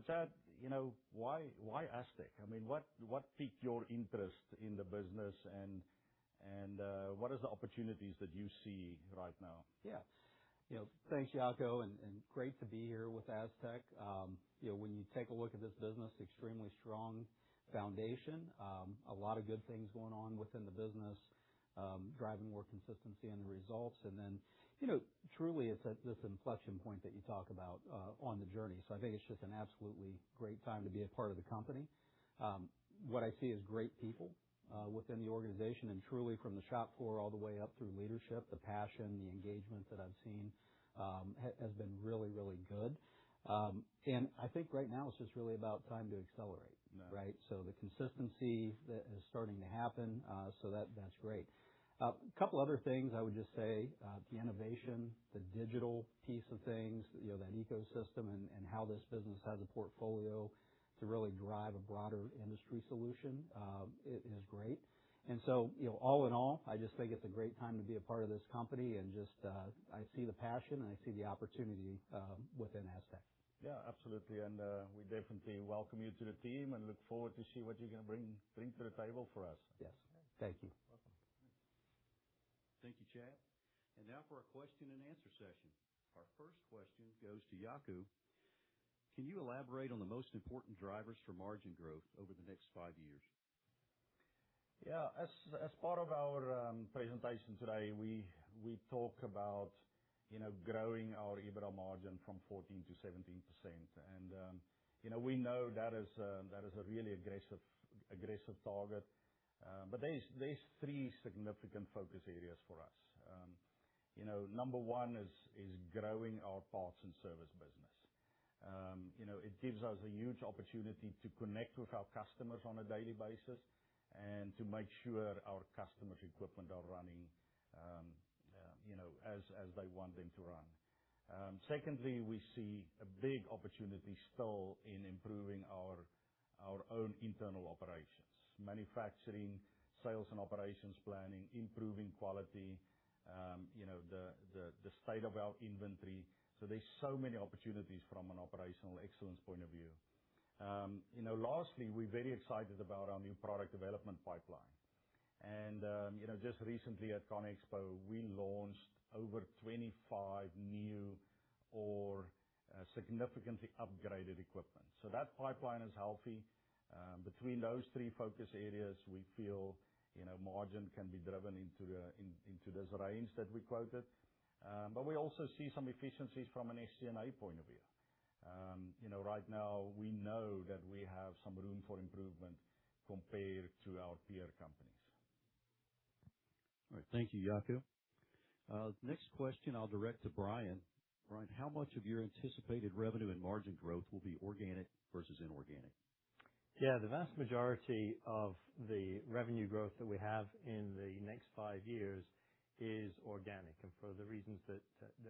Chad, you know, why Astec? I mean, what piqued your interest in the business and what is the opportunities that you see right now? Yeah. You know, thanks, Jaco, and great to be here with Astec. You know, when you take a look at this business, extremely strong foundation. A lot of good things going on within the business, driving more consistency in the results. You know, truly, it's at this inflection point that you talk about on the journey. I think it's just an absolutely great time to be a part of the company. What I see is great people within the organization and truly from the shop floor all the way up through leadership. The passion, the engagement that I've seen has been really, really good. I think right now it's just really about time to accelerate. Yeah. Right? The consistency that is starting to happen, so that's great. Couple other things I would just say, the innovation, the digital piece of things, you know, that ecosystem and how this business has a portfolio to really drive a broader industry solution, is great. You know, all in all, I just think it's a great time to be a part of this company and just, I see the passion and I see the opportunity within Astec. Yeah, absolutely. We definitely welcome you to the team and look forward to see what you're gonna bring to the table for us. Yes. Thank you. Welcome. Thank you, Chad. Now for our question and answer session. Our first question goes to Jaco. Can you elaborate on the most important drivers for margin growth over the next five years? As part of our presentation today, we talk about, you know, growing our EBITDA margin from 14% to 17%. We know that is a really aggressive target. There's 3 significant focus areas for us. Number 1 is growing our parts and service business. It gives us a huge opportunity to connect with our customers on a daily basis and to make sure our customers' equipment are running, you know, as they want them to run. Secondly, we see a big opportunity still in improving our own internal operations, manufacturing, sales and operations planning, improving quality, you know, the state of our inventory. There's so many opportunities from an operational excellence point of view. You know, lastly, we're very excited about our new product development pipeline. You know, just recently at CONEXPO-CON/AGG, we launched over 25 new or significantly upgraded equipment. That pipeline is healthy. Between those 3 focus areas, we feel, you know, margin can be driven into those range that we quoted. We also see some efficiencies from an SG&A point of view. You know, right now we know that we have some room for improvement compared to our peer companies. All right. Thank you, Jaco. Next question I'll direct to Brian. Brian, how much of your anticipated revenue and margin growth will be organic versus inorganic? Yeah. The vast majority of the revenue growth that we have in the next five years is organic, and for the reasons that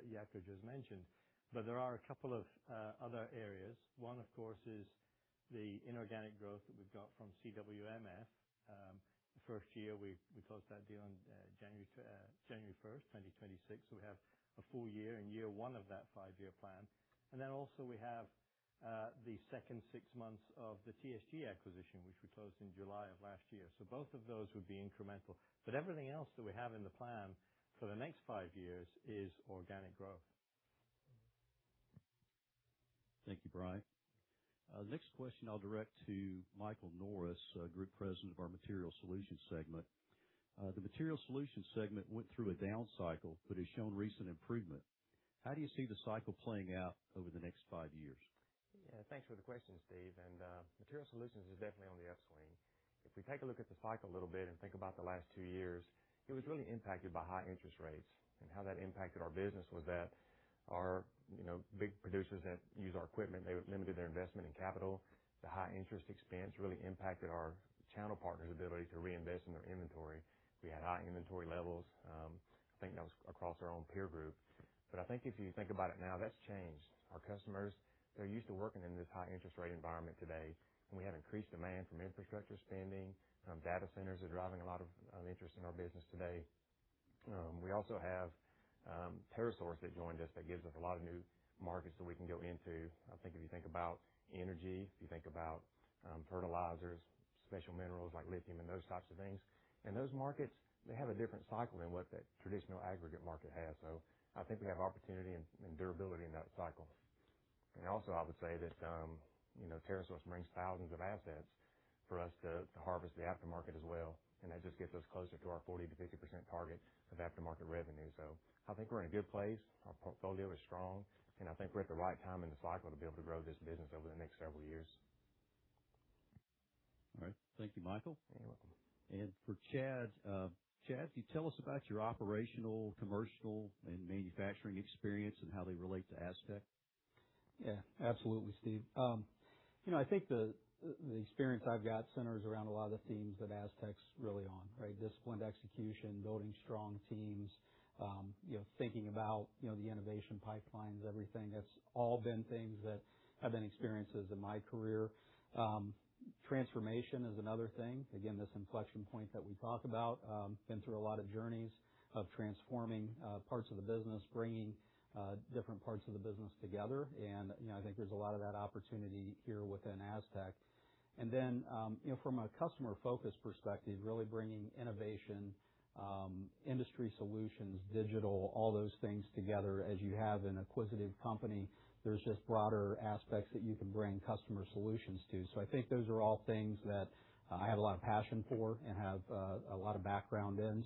Jaco just mentioned. There are a couple of other areas. One, of course, is the inorganic growth that we've got from CWMF. The first year we closed that deal on January first, 2026, so we have a full year in year one of that five-year plan. Also we have the second six months of the TSG acquisition, which we closed in July of last year. Both of those would be incremental. Everything else that we have in the plan for the next five years is organic growth. Thank you, Brian. Next question I'll direct to Michael Norris, Group President of our Materials Solutions Segment. The Materials Solutions Segment went through a down cycle but has shown recent improvement. How do you see the cycle playing out over the next five years? Yeah. Thanks for the question, Steve. Materials Solutions is definitely on the upswing. If we take a look at the cycle a little bit and think about the last two years, it was really impacted by high interest rates. How that impacted our business was that our, you know, big producers that use our equipment, they limited their investment in capital. The high interest expense really impacted our channel partners' ability to reinvest in their inventory. We had high inventory levels. I think that was across our own peer group. I think if you think about it now, that's changed. Our customers, they're used to working in this high interest rate environment today, and we have increased demand from infrastructure spending. Data centers are driving a lot of interest in our business today. We also have TerraSource that joined us, that gives us a lot of new markets that we can go into. I think if you think about energy, if you think about fertilizers, special minerals like lithium and those types of things, and those markets, they have a different cycle than what the traditional aggregate market has. I think we have opportunity and durability in that cycle. I would say that, you know, TerraSource brings thousands of assets for us to harvest the aftermarket as well, and that just gets us closer to our 40%-50% target of aftermarket revenue. I think we're in a good place. Our portfolio is strong, and I think we're at the right time in the cycle to be able to grow this business over the next several years. All right. Thank you, Michael. You're welcome. For Chad, can you tell us about your operational, commercial, and manufacturing experience and how they relate to Astec? Yeah, absolutely, Steve. You know, I think the experience I've got centers around a lot of the themes that Astec's really on, right? Disciplined execution, building strong teams, you know, thinking about, you know, the innovation pipelines, everything. That's all been things that have been experiences in my career. Transformation is another thing. Again, this inflection point that we talk about, been through a lot of journeys of transforming parts of the business, bringing different parts of the business together and, you know, I think there's a lot of that opportunity here within Astec. You know, from a customer focus perspective, really bringing innovation, industry solutions, digital, all those things together. As you have an acquisitive company, there's just broader aspects that you can bring customer solutions to. I think those are all things that I have a lot of passion for and have a lot of background in.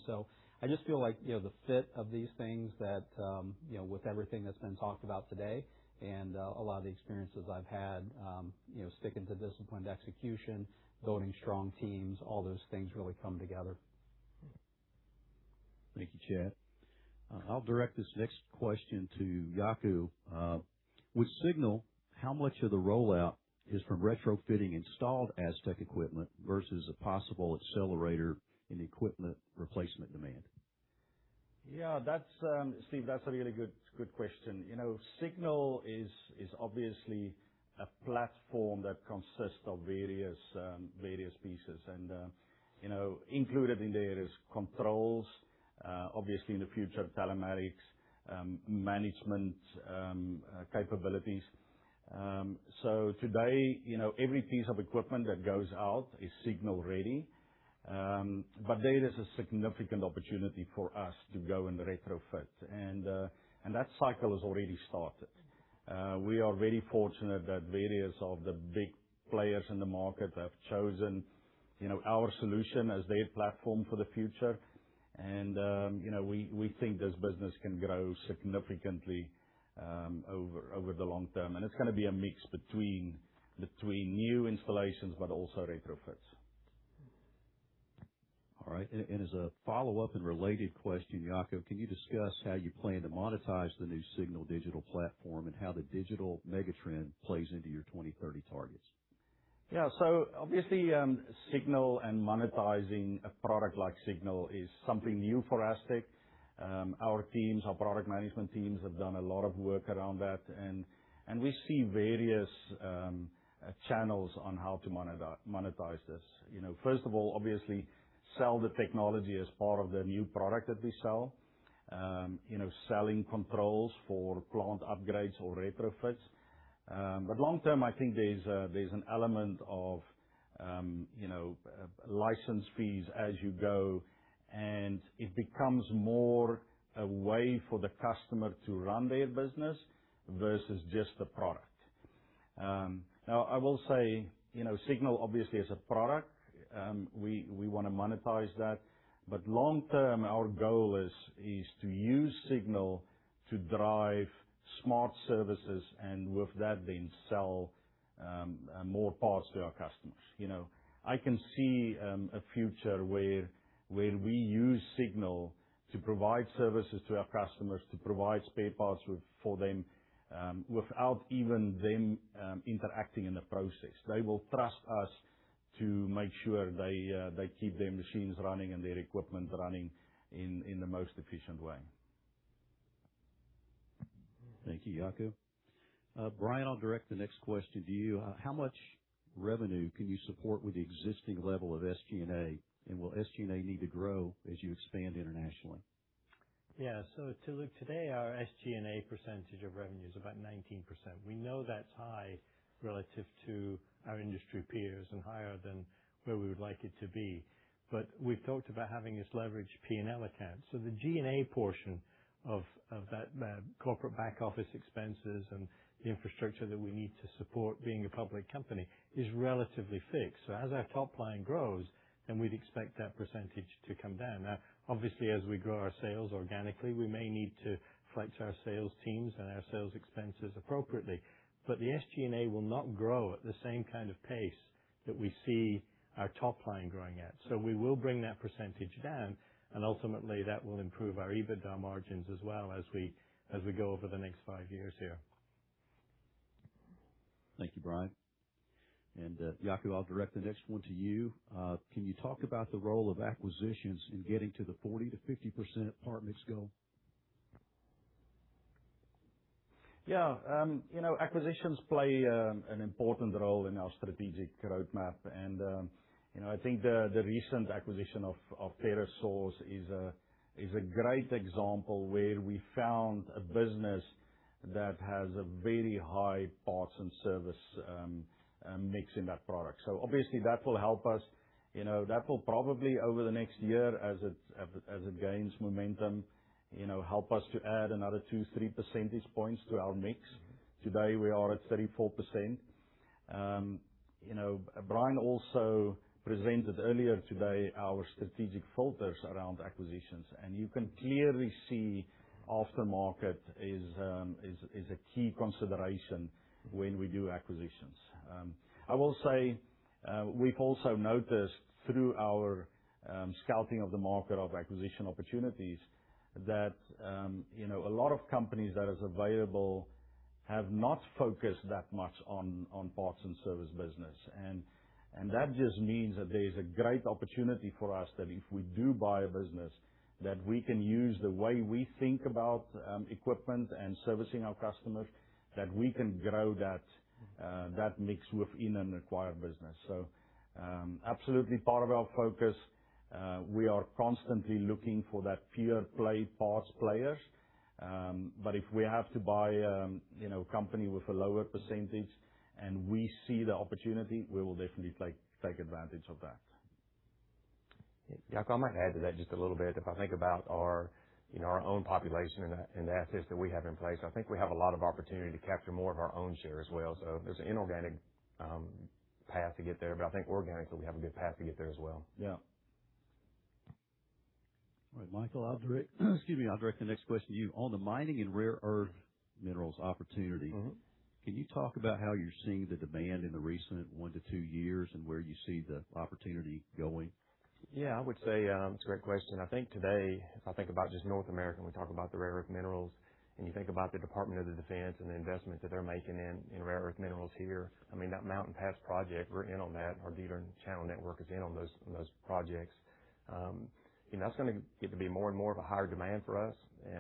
I just feel like, you know, the fit of these things that, you know, with everything that's been talked about today and a lot of the experiences I've had, you know, sticking to disciplined execution, building strong teams, all those things really come together. Thank you, Chad. I'll direct this next question to Jaco. With Signal, how much of the rollout is from retrofitting installed Astec equipment versus a possible accelerator in equipment replacement demand? That's, Steve, that's a really good question. You know, Signal is obviously a platform that consists of various pieces and, you know, included in there is controls, obviously in the future, telematics, management capabilities. Today, you know, every piece of equipment that goes out is Signal ready. There is a significant opportunity for us to go and retrofit and that cycle has already started. We are very fortunate that various of the big players in the market have chosen, you know, our solution as their platform for the future. You know, we think this business can grow significantly over the long term. It's gonna be a mix between new installations, but also retrofits. All right. As a follow-up and related question, Jaco, can you discuss how you plan to monetize the new Signal digital platform and how the digital mega trend plays into your 2030 targets? Yeah. Obviously, Signal and monetizing a product like Signal is something new for Astec. Our teams, our product management teams have done a lot of work around that and we see various channels on how to monetize this. You know, first of all, obviously sell the technology as part of the new product that we sell. You know, selling controls for plant upgrades or retrofits. Long term, I think there's a, there's an element of license fees as you go, and it becomes more a way for the customer to run their business versus just a product. Now I will say, you know, Signal obviously is a product. We wanna monetize that, but long term, our goal is to use Signal to drive smart services and with that then sell more parts to our customers. You know, I can see a future where we use Signal to provide services to our customers, to provide spare parts with, for them, without even them interacting in the process. They will trust us to make sure they keep their machines running and their equipment running in the most efficient way. Thank you, Jaco. Brian, I'll direct the next question to you. How much revenue can you support with the existing level of SG&A, and will SG&A need to grow as you expand internationally? To look today, our SG&A percentage of revenue is about 19%. We know that's high relative to our industry peers and higher than where we would like it to be. We've talked about having this leveraged P&L account. The G&A portion of that corporate back office expenses and the infrastructure that we need to support being a public company is relatively fixed. As our top line grows, we'd expect that percentage to come down. Obviously, as we grow our sales organically, we may need to flex our sales teams and our sales expenses appropriately. The SG&A will not grow at the same kind of pace that we see our top line growing at. We will bring that percentage down, and ultimately, that will improve our EBITDA margins as well as we go over the next five years here. Thank you, Brian. Jaco, I'll direct the next one to you. Can you talk about the role of acquisitions in getting to the 40%-50% part mix goal? Yeah. You know, acquisitions play an important role in our strategic roadmap. You know, I think the recent acquisition of TerraSource is a great example where we found a business that has a very high parts and service mix in that product. Obviously that will help us. You know, that will probably over the next year as it gains momentum, you know, help us to add another 2, 3 percentage points to our mix. Today, we are at 34%. You know, Brian also presented earlier today our strategic filters around acquisitions, and you can clearly see aftermarket is a key consideration when we do acquisitions. I will say, we've also noticed through our scouting of the market of acquisition opportunities that, you know, a lot of companies that is available have not focused that much on parts and service business. That just means that there is a great opportunity for us that if we do buy a business, that we can use the way we think about equipment and servicing our customers, that we can grow that mix within an acquired business. Absolutely part of our focus. We are constantly looking for that pure play parts players. If we have to buy, you know, a company with a lower percentage and we see the opportunity, we will definitely take advantage of that. Yeah. Jaco, I might add to that just a little bit. If I think about our, you know, our own population and the assets that we have in place, I think we have a lot of opportunity to capture more of our own share as well. There's an inorganic path to get there. I think organically, we have a good path to get there as well. Yeah. All right, Michael, I'll direct excuse me, I'll direct the next question to you. On the mining and rare earth minerals opportunity. Can you talk about how you're seeing the demand in the recent one to two years and where you see the opportunity going? Yeah. I would say, it's a great question. I think today, I think about just North America, when we talk about the rare earth minerals, and you think about the Department of Defense and the investment that they're making in rare earth minerals here. I mean, that Mountain Pass project we're in on that, our dealer and channel network is in on those projects. You know, that's gonna get to be more and more of a higher demand for us. You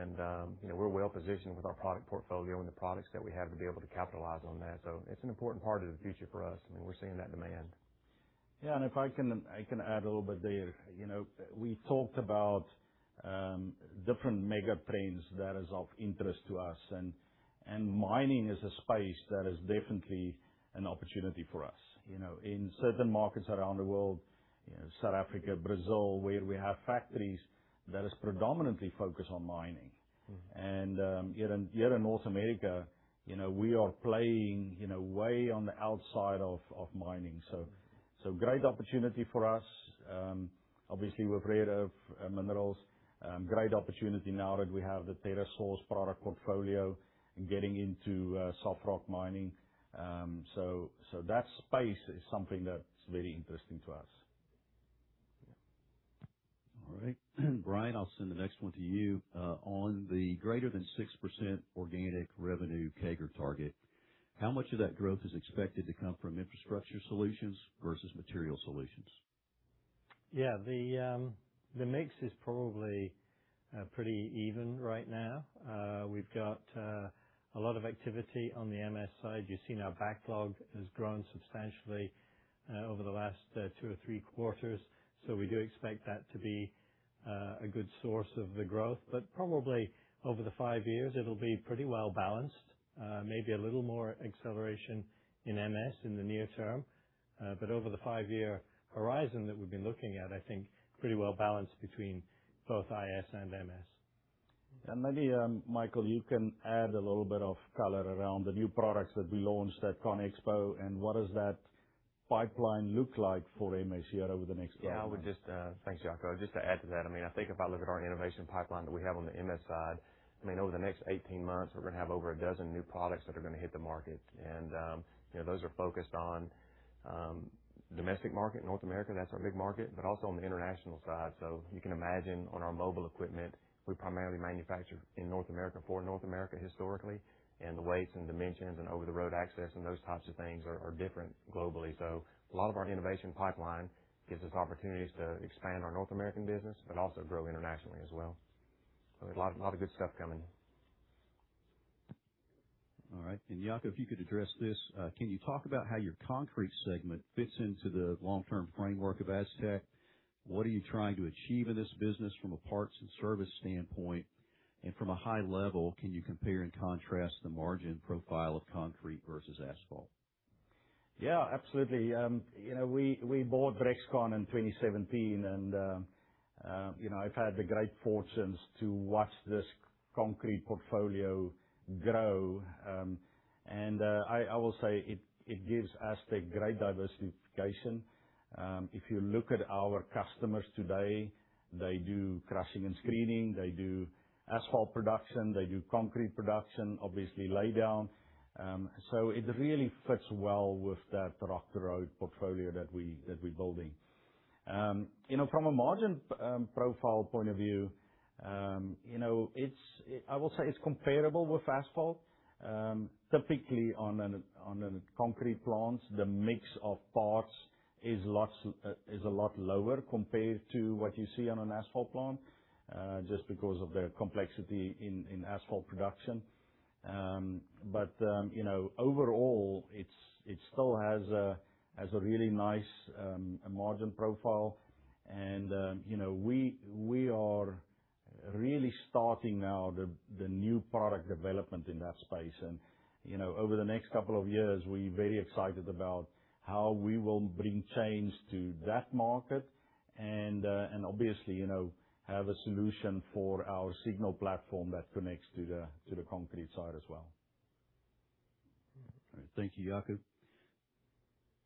know, we're well-positioned with our product portfolio and the products that we have to be able to capitalize on that. It's an important part of the future for us. I mean, we're seeing that demand. Yeah. If I can add a little bit there. You know, we talked about different mega trends that is of interest to us and mining is a space that is definitely an opportunity for us. You know, in certain markets around the world, you know, South Africa, Brazil, where we have factories that is predominantly focused on mining. Here in North America, you know, we are playing, you know, way on the outside of mining. Great opportunity for us. Obviously with rare earth minerals, great opportunity now that we have the TerraSource product portfolio and getting into soft rock mining. That space is something that's very interesting to us. All right. Brian, I'll send the next one to you. On the greater than 6% organic revenue CAGR target, how much of that growth is expected to come from Infrastructure Solutions versus Materials Solutions? Yeah. The mix is probably pretty even right now. We've got a lot of activity on the MS side. You've seen our backlog has grown substantially over the last two or three quarters. We do expect that to be a good source of the growth. Probably over the five years, it'll be pretty well-balanced. Maybe a little more acceleration in MS in the near term. Over the five-year horizon that we've been looking at, I think pretty well-balanced between both IS and MS. Maybe, Michael, you can add a little bit of color around the new products that we launched at CONEXPO-CON/AGG, and what does that pipeline look like for MS here over the next 12 months? I would just, Thanks, Jaco. Just to add to that, I mean, I think if I look at our innovation pipeline that we have on the MS side, I mean, over the next 18 months, we're gonna have over a dozen new products that are gonna hit the market. You know, those are focused on domestic market, North America, that's our big market, but also on the international side. You can imagine on our mobile equipment, we primarily manufacture in North America for North America historically, and the weights and dimensions and over-the-road access and those types of things are different globally. A lot of our innovation pipeline gives us opportunities to expand our North American business, but also grow internationally as well. A lot of good stuff coming. All right. Jaco, if you could address this, can you talk about how your concrete segment fits into the long-term framework of Astec? What are you trying to achieve in this business from a parts and service standpoint? From a high level, can you compare and contrast the margin profile of concrete versus asphalt? Absolutely. You know, we bought RexCon in 2017 and, you know, I've had the great fortunes to watch this concrete portfolio grow. I will say it gives Astec great diversification. If you look at our customers today, they do crushing and screening, they do asphalt production, they do concrete production, obviously lay down. It really fits well with that Rock to Road portfolio that we, that we're building. You know, from a margin, profile point of view, you know, I will say it's comparable with asphalt. Typically on a, on a concrete plant, the mix of parts is a lot lower compared to what you see on an asphalt plant, just because of the complexity in asphalt production. You know, overall it's, it still has a really nice margin profile and, you know, we are really starting now the new product development in that space. You know, over the next couple of years, we're very excited about how we will bring change to that market and obviously, you know, have a solution for our Signal Platform that connects to the concrete side as well. All right. Thank you, Jaco.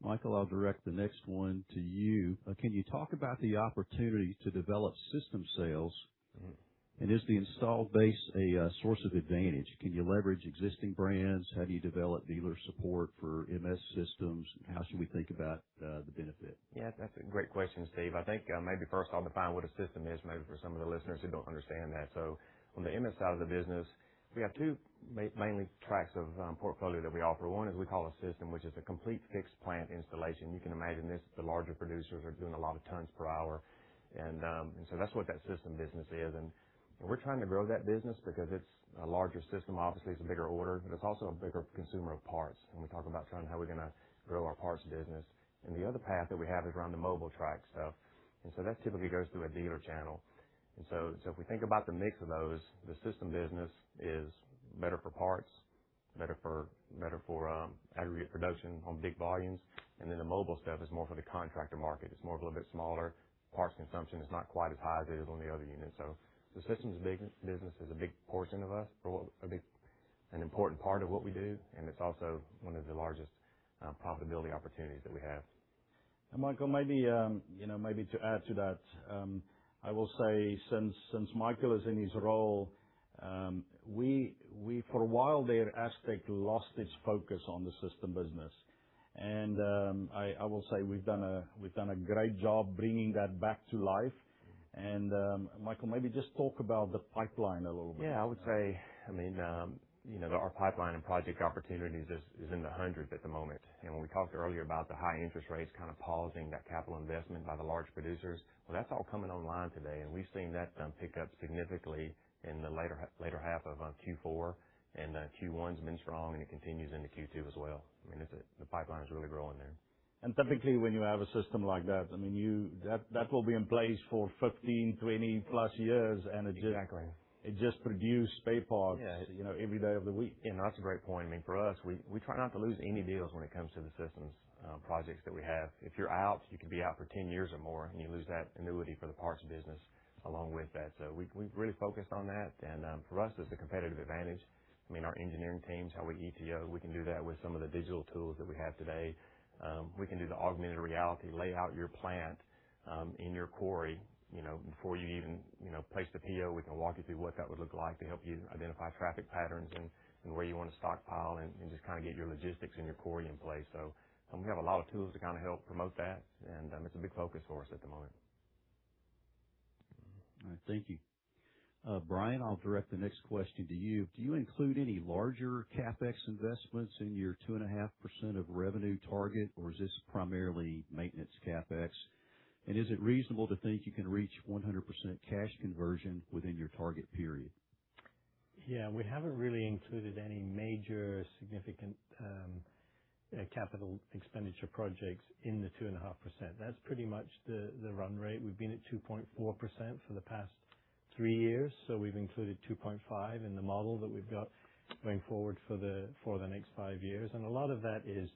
Michael, I'll direct the next one to you. Can you talk about the opportunity to develop system sales? Is the installed base a source of advantage? Can you leverage existing brands? How do you develop dealer support for MS systems? How should we think about the benefit? Yeah, that's a great question, Steve. I think, maybe first I'll define what a system is, maybe for some of the listeners who don't understand that. On the MS side of the business, we have two mainly tracks of portfolio that we offer. One is we call a system, which is a complete fixed plant installation. You can imagine this, the larger producers are doing a lot of tons per hour. That's what that system business is. We're trying to grow that business because it's a larger system. Obviously, it's a bigger order, but it's also a bigger consumer of parts when we talk about trying how we're gonna grow our parts business. The other path that we have is around the mobile track stuff. That typically goes through a dealer channel. If we think about the mix of those, the system business is better for parts, better for aggregate production on big volumes. The mobile stuff is more for the contractor market. It's more a little bit smaller. Parts consumption is not quite as high as it is on the other units. The systems business is a big portion of us or a big an important part of what we do, and it's also one of the largest profitability opportunities that we have. Michael, maybe, you know, maybe to add to that, I will say since Michael is in his role, we for a while there, Astec lost its focus on the system business. I will say we've done a great job bringing that back to life. Michael, maybe just talk about the pipeline a little bit. Yeah. I would say, I mean, you know, our pipeline and project opportunities is in the hundreds at the moment. You know, when we talked earlier about the high interest rates kind of pausing that capital investment by the large producers, well, that's all coming online today. We've seen that pick up significantly in the latter half of Q4 and Q1's been strong, and it continues into Q2 as well. I mean, the pipeline is really growing there. Typically, when you have a system like that, I mean, that will be in place for 15, 20+ years. Exactly. It just produce spare parts. Yeah you know, every day of the week. That's a great point. I mean, for us, we try not to lose any deals when it comes to the systems projects that we have. If you're out, you could be out for 10 years or more, and you lose that annuity for the parts business along with that. We've really focused on that. For us, it's a competitive advantage. I mean, our engineering teams, how we ETO, we can do that with some of the digital tools that we have today. We can do the augmented reality, lay out your plant in your quarry, you know, before you even, you know, place the PO. We can walk you through what that would look like to help you identify traffic patterns and where you wanna stockpile and just kinda get your logistics and your quarry in place. We have a lot of tools to kind of help promote that, and it's a big focus for us at the moment. All right. Thank you. Brian, I'll direct the next question to you. Do you include any larger CapEx investments in your 2.5% of revenue target, or is this primarily maintenance CapEx? Is it reasonable to think you can reach 100% cash conversion within your target period? We haven't really included any major significant capital expenditure projects in the 2.5%. That's pretty much the run rate. We've been at 2.4% for the past three years. We've included 2.5 in the model that we've got going forward for the next five years. A lot of that is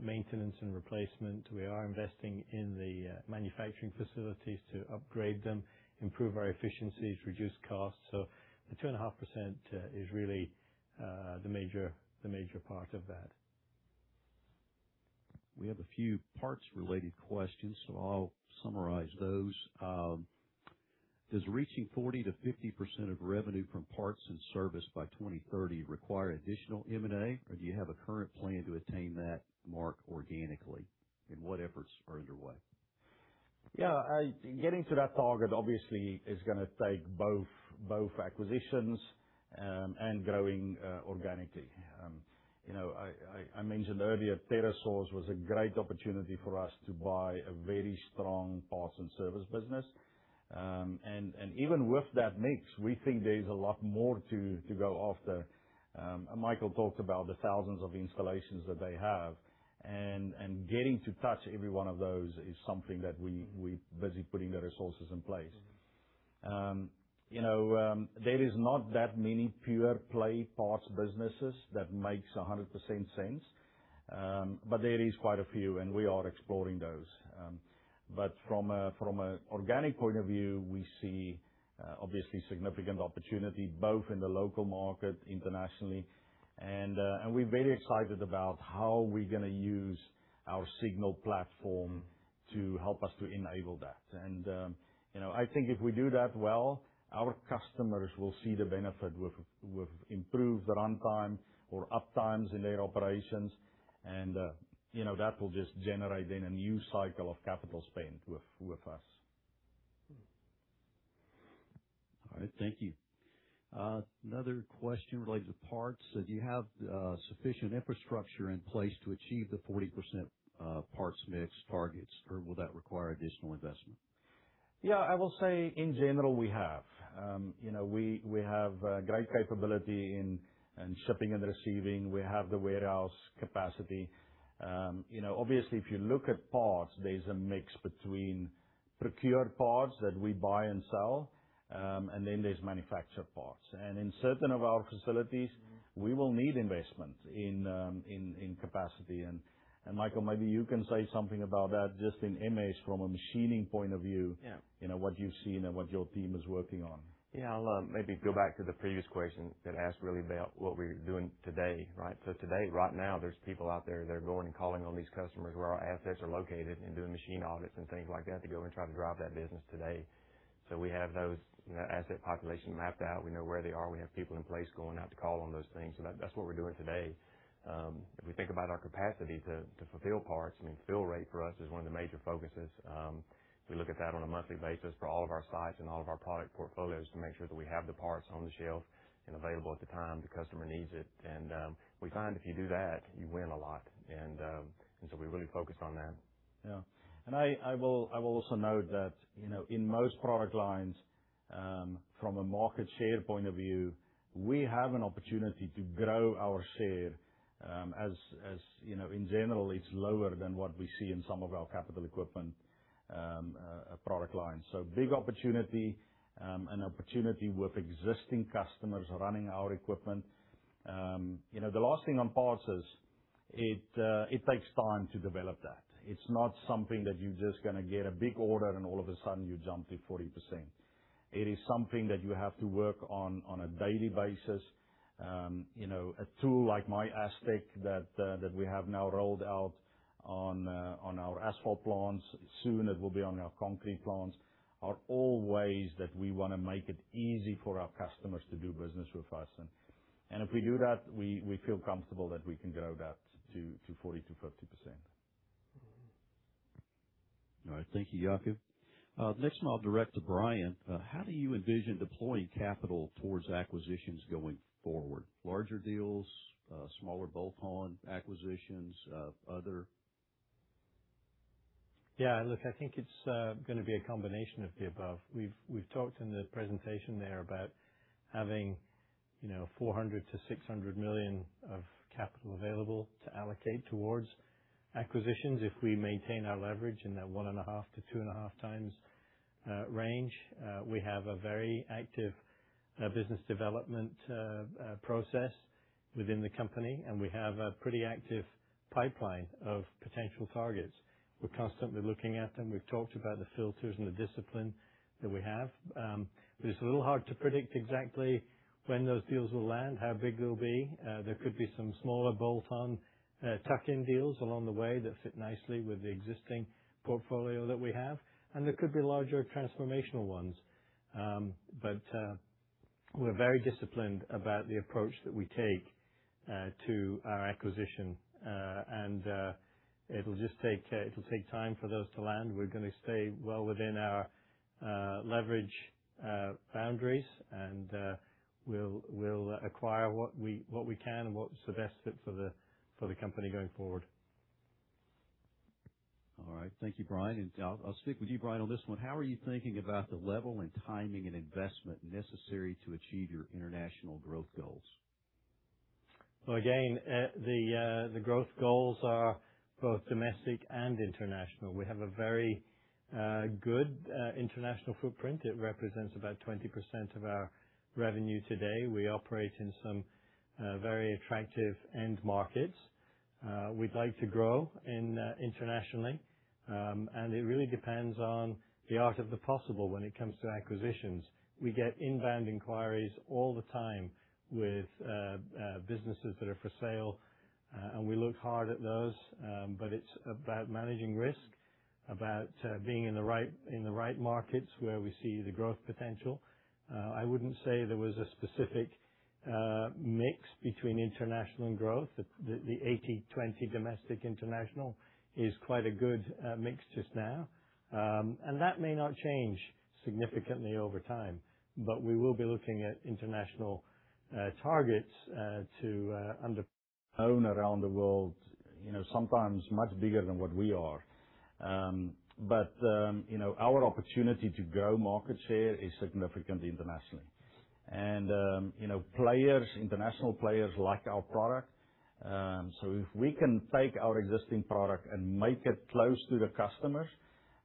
maintenance and replacement. We are investing in the manufacturing facilities to upgrade them, improve our efficiencies, reduce costs. The 2.5% is really the major part of that. We have a few parts related questions, so I'll summarize those. Does reaching 40%-50% of revenue from parts and service by 2030 require additional M&A, or do you have a current plan to attain that mark organically? What efforts are underway? Yeah. Getting to that target obviously is going to take both acquisitions and growing organically. You know, I mentioned earlier, TerraSource was a great opportunity for us to buy a very strong parts and service business. Even with that mix, we think there's a lot more to go after. Michael talked about the thousands of installations that they have, getting to touch every one of those is something that we're busy putting the resources in place. You know, there is not that many pure play parts businesses that makes 100% sense. There is quite a few, and we are exploring those. From a organic point of view, we see obviously significant opportunity both in the local market, internationally. We're very excited about how we're going to use our Signal Platform to help us to enable that. You know, I think if we do that well, our customers will see the benefit with improved runtime or uptimes in their operations. You know, that will just generate then a new cycle of capital spend with us. All right. Thank you. Another question related to parts. Do you have sufficient infrastructure in place to achieve the 40% parts mix targets, or will that require additional investment? Yeah, I will say in general, we have. you know, we have great capability in shipping and receiving. We have the warehouse capacity. you know, obviously, if you look at parts, there's a mix between procured parts that we buy and sell, and then there's manufactured parts. In certain of our facilities, we will need investment in capacity. Michael, maybe you can say something about that just in image from a machining point of view. Yeah. You know, what you've seen and what your team is working on. I'll maybe go back to the previous question that asked really about what we're doing today. Today, right now, there's people out there that are going and calling on these customers where our assets are located and doing machine audits and things like that to go and try to drive that business today. We have those, you know, asset population mapped out. We know where they are. We have people in place going out to call on those things. That's what we're doing today. If we think about our capacity to fulfill parts, I mean, fill rate for us is one of the major focuses. We look at that on a monthly basis for all of our sites and all of our product portfolios to make sure that we have the parts on the shelf and available at the time the customer needs it. We find if you do that, you win a lot. We're really focused on that. Yeah. I will also note that, you know, in most product lines, from a market share point of view, we have an opportunity to grow our share, as you know, in general, it's lower than what we see in some of our capital equipment product lines. Big opportunity, and opportunity with existing customers running our equipment. You know, the last thing on parts is it takes time to develop that. It's not something that you're just gonna get a big order and all of a sudden you jump to 40%. It is something that you have to work on a daily basis. You know, a tool like MyAstec that we have now rolled out on our asphalt plants, soon it will be on our concrete plants, are all ways that we wanna make it easy for our customers to do business with us. If we do that, we feel comfortable that we can grow that to 40%-50%. All right. Thank you, Jaco. Next one I'll direct to Brian. How do you envision deploying capital towards acquisitions going forward? Larger deals, smaller bolt-on acquisitions, other? Yeah, look, I think it's gonna be a combination of the above. We've talked in the presentation there about having, you know, $400 million to $600 million of capital available to allocate towards acquisitions if we maintain our leverage in that 1.5 to 2.5x range. We have a very active business development process within the company, and we have a pretty active pipeline of potential targets. We're constantly looking at them. We've talked about the filters and the discipline that we have. It's a little hard to predict exactly when those deals will land, how big they'll be. There could be some smaller bolt-on, tuck-in deals along the way that fit nicely with the existing portfolio that we have, and there could be larger transformational ones. We're very disciplined about the approach that we take to our acquisition. It'll just take time for those to land. We're gonna stay well within our leverage boundaries, and we'll acquire what we can and what's the best fit for the company going forward. All right. Thank you, Brian. I'll stick with you, Brian, on this one. How are you thinking about the level and timing and investment necessary to achieve your international growth goals? Again, the growth goals are both domestic and international. We have a very good international footprint. It represents about 20% of our revenue today. We operate in some very attractive end markets. We'd like to grow in internationally. It really depends on the art of the possible when it comes to acquisitions. We get inbound inquiries all the time with businesses that are for sale, we look hard at those. It's about managing risk, about being in the right, in the right markets where we see the growth potential. I wouldn't say there was a specific mix between international and growth. The 80/20 domestic international is quite a good mix just now. That may not change significantly over time, but we will be looking at international targets. Own around the world, you know, sometimes much bigger than what we are. You know, our opportunity to grow market share is significant internationally. You know, players, international players like our product. If we can take our existing product and make it close to the customers,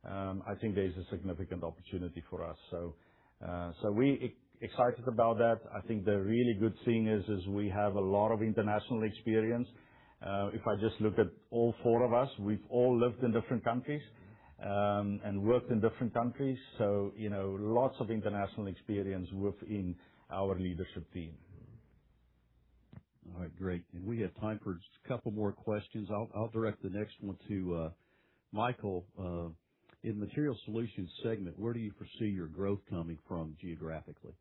I think there's a significant opportunity for us. We excited about that. I think the really good thing is we have a lot of international experience. If I just look at all four of us, we've all lived in different countries, and worked in different countries, so you know, lots of international experience within our leadership team. All right, great. We have time for just a couple more questions. I'll direct the next one to Michael. In Materials Solutions segment, where do you foresee your growth coming from geographically?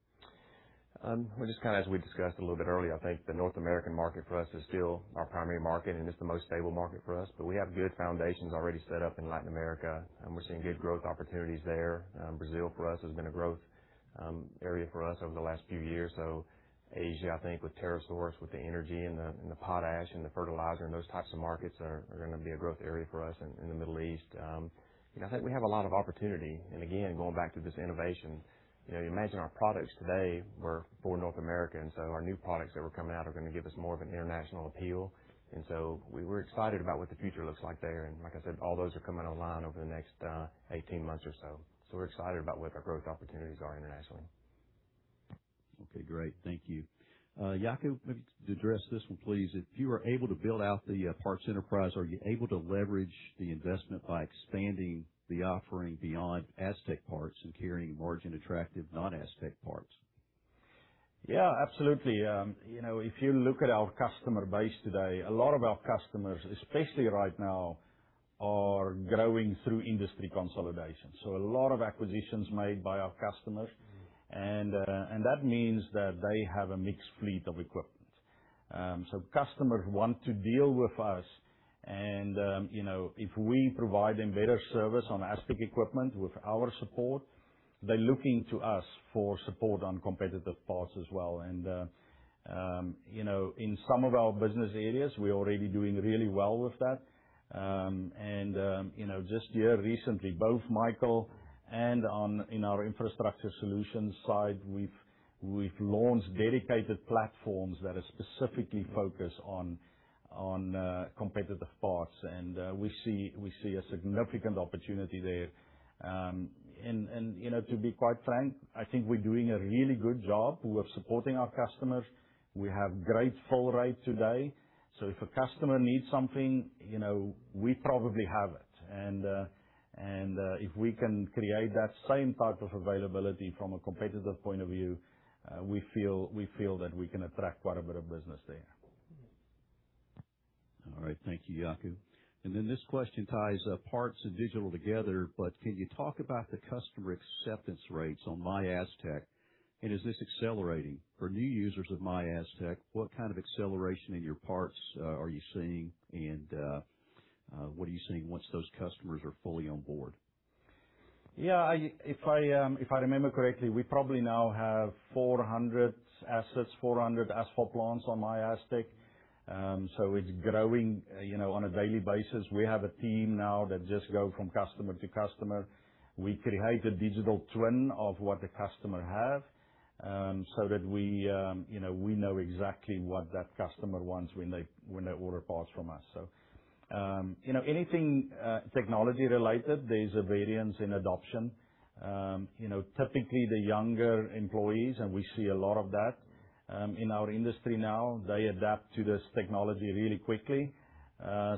We're just kinda as we discussed a little bit earlier, I think the North American market for us is still our primary market, and it's the most stable market for us. We have good foundations already set up in Latin America, and we're seeing good growth opportunities there. Brazil for us has been a growth area for us over the last few years. Asia, I think with TerraSource, with the energy and the potash and the fertilizer and those types of markets are gonna be a growth area for us in the Middle East. You know, I think we have a lot of opportunity. Going back to this innovation, you know, you imagine our products today were for North America, so our new products that were coming out are gonna give us more of an international appeal. We're excited about what the future looks like there. Like I said, all those are coming online over the next 18 months or so. We're excited about what our growth opportunities are internationally. Okay, great. Thank you. Jaco, maybe address this one, please. If you were able to build out the parts enterprise, are you able to leverage the investment by expanding the offering beyond Astec parts and carrying margin attractive non-Astec parts? Yeah, absolutely. You know, if you look at our customer base today, a lot of our customers, especially right now, are growing through industry consolidation. A lot of acquisitions made by our customers. That means that they have a mixed fleet of equipment. Customers want to deal with us and, you know, if we provide them better service on Astec equipment with our support, they're looking to us for support on competitive parts as well. You know, in some of our business areas, we're already doing really well with that. You know, just here recently, both Michael and on in our Infrastructure Solutions side, we've launched dedicated platforms that are specifically focused on competitive parts. We see a significant opportunity there. And, you know, to be quite frank, I think we're doing a really good job with supporting our customers. We have great fill rate today. If a customer needs something, you know, we probably have it. If we can create that same type of availability from a competitive point of view, we feel that we can attract quite a bit of business there. All right. Thank you, Jaco. Then this question ties, parts and digital together, but can you talk about the customer acceptance rates on MyAstec, and is this accelerating? For new users of MyAstec, what kind of acceleration in your parts, are you seeing? What are you seeing once those customers are fully on board? Yeah, I remember correctly, we probably now have 400 assets, 400 asphalt plants on MyAstec. It's growing, you know, on a daily basis. We have a team now that just go from customer to customer. We create a digital twin of what the customer have, so that we, you know, we know exactly what that customer wants when they, when they order parts from us. You know, anything technology-related, there's a variance in adoption. You know, typically the younger employees, we see a lot of that in our industry now, they adapt to this technology really quickly.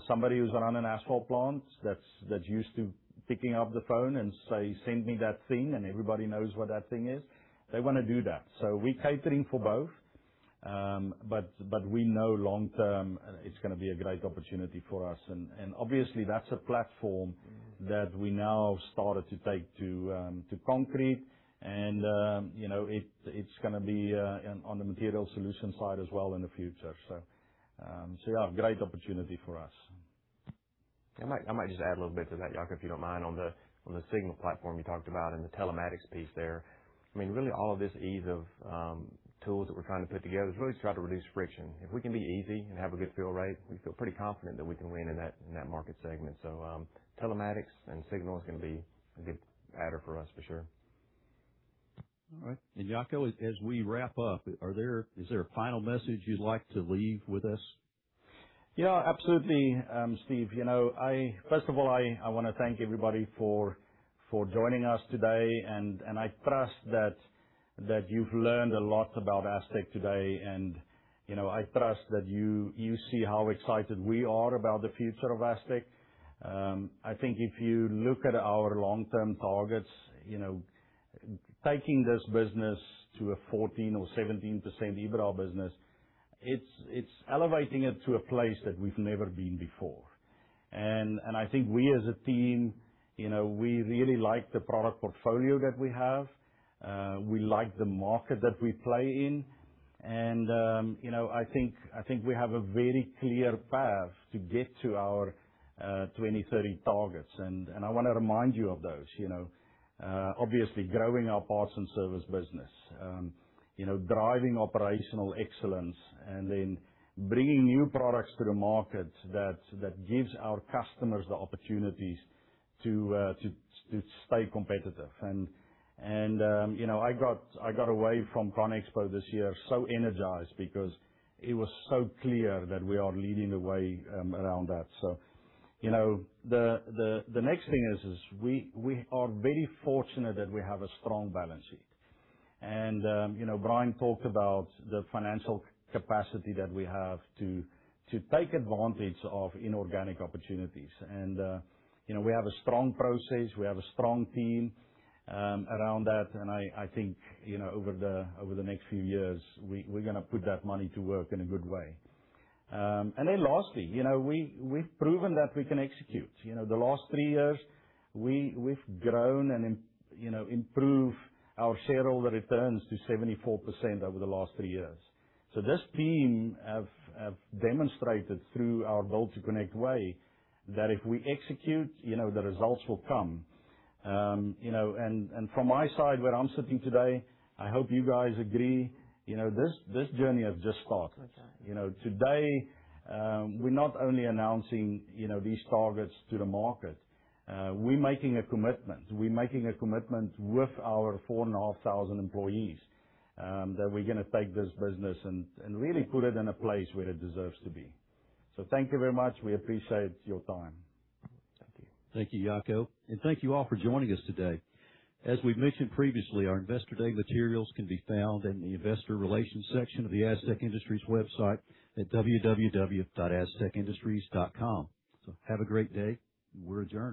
Somebody who's run an asphalt plant that's used to picking up the phone and say, "Send me that thing," everybody knows what that thing is, they wanna do that. We're catering for both. But we know long term, it's gonna be a great opportunity for us. Obviously that's a platform that we now started to take to concrete and it's gonna be on the Materials Solutions side as well in the future. Great opportunity for us. I might just add a little bit to that, Jaco, if you don't mind, on the, on the Signal Platform you talked about and the telematics piece there. I mean, really all of this ease of tools that we're trying to put together is really to try to reduce friction. If we can be easy and have a good fill rate, we feel pretty confident that we can win in that, in that market segment. Telematics and Signal is gonna be a good adder for us for sure. All right. Jaco, as we wrap up, is there a final message you'd like to leave with us? Yeah, absolutely, Steve. You know, first of all, I want to thank everybody for joining us today. I trust that you've learned a lot about Astec today. You know, I trust that you see how excited we are about the future of Astec. I think if you look at our long-term targets, you know, taking this business to a 14% or 17% EBITDA business, it's elevating it to a place that we've never been before. I think we as a team, you know, we really like the product portfolio that we have. We like the market that we play in. You know, I think we have a very clear path to get to our 2030 targets. I want to remind you of those. You know, obviously growing our parts and service business, you know, driving operational excellence and then bringing new products to the market that gives our customers the opportunities to stay competitive. You know, I got away from CONEXPO-CON/AGG this year so energized because it was so clear that we are leading the way around that. You know, the next thing is we are very fortunate that we have a strong balance sheet. You know, Brian talked about the financial capacity that we have to take advantage of inorganic opportunities. You know, we have a strong process, we have a strong team around that. I think, over the next few years, we're going to put that money to work in a good way. Lastly, we've proven that we can execute. The last three years, we've grown and improved our shareholder returns to 74% over the last three years. This team have demonstrated through our Built to Connect way that if we execute, the results will come. From my side, where I'm sitting today, I hope you guys agree, this journey has just started. Today, we're not only announcing these targets to the market, we're making a commitment. We're making a commitment with our 4,500 employees, that we're gonna take this business and really put it in a place where it deserves to be. Thank you very much. We appreciate your time. Thank you. Thank you, Jaco. Thank you all for joining us today. As we've mentioned previously, our Investor Day materials can be found in the investor relations section of the Astec Industries website at www.astecindustries.com. Have a great day. We're adjourned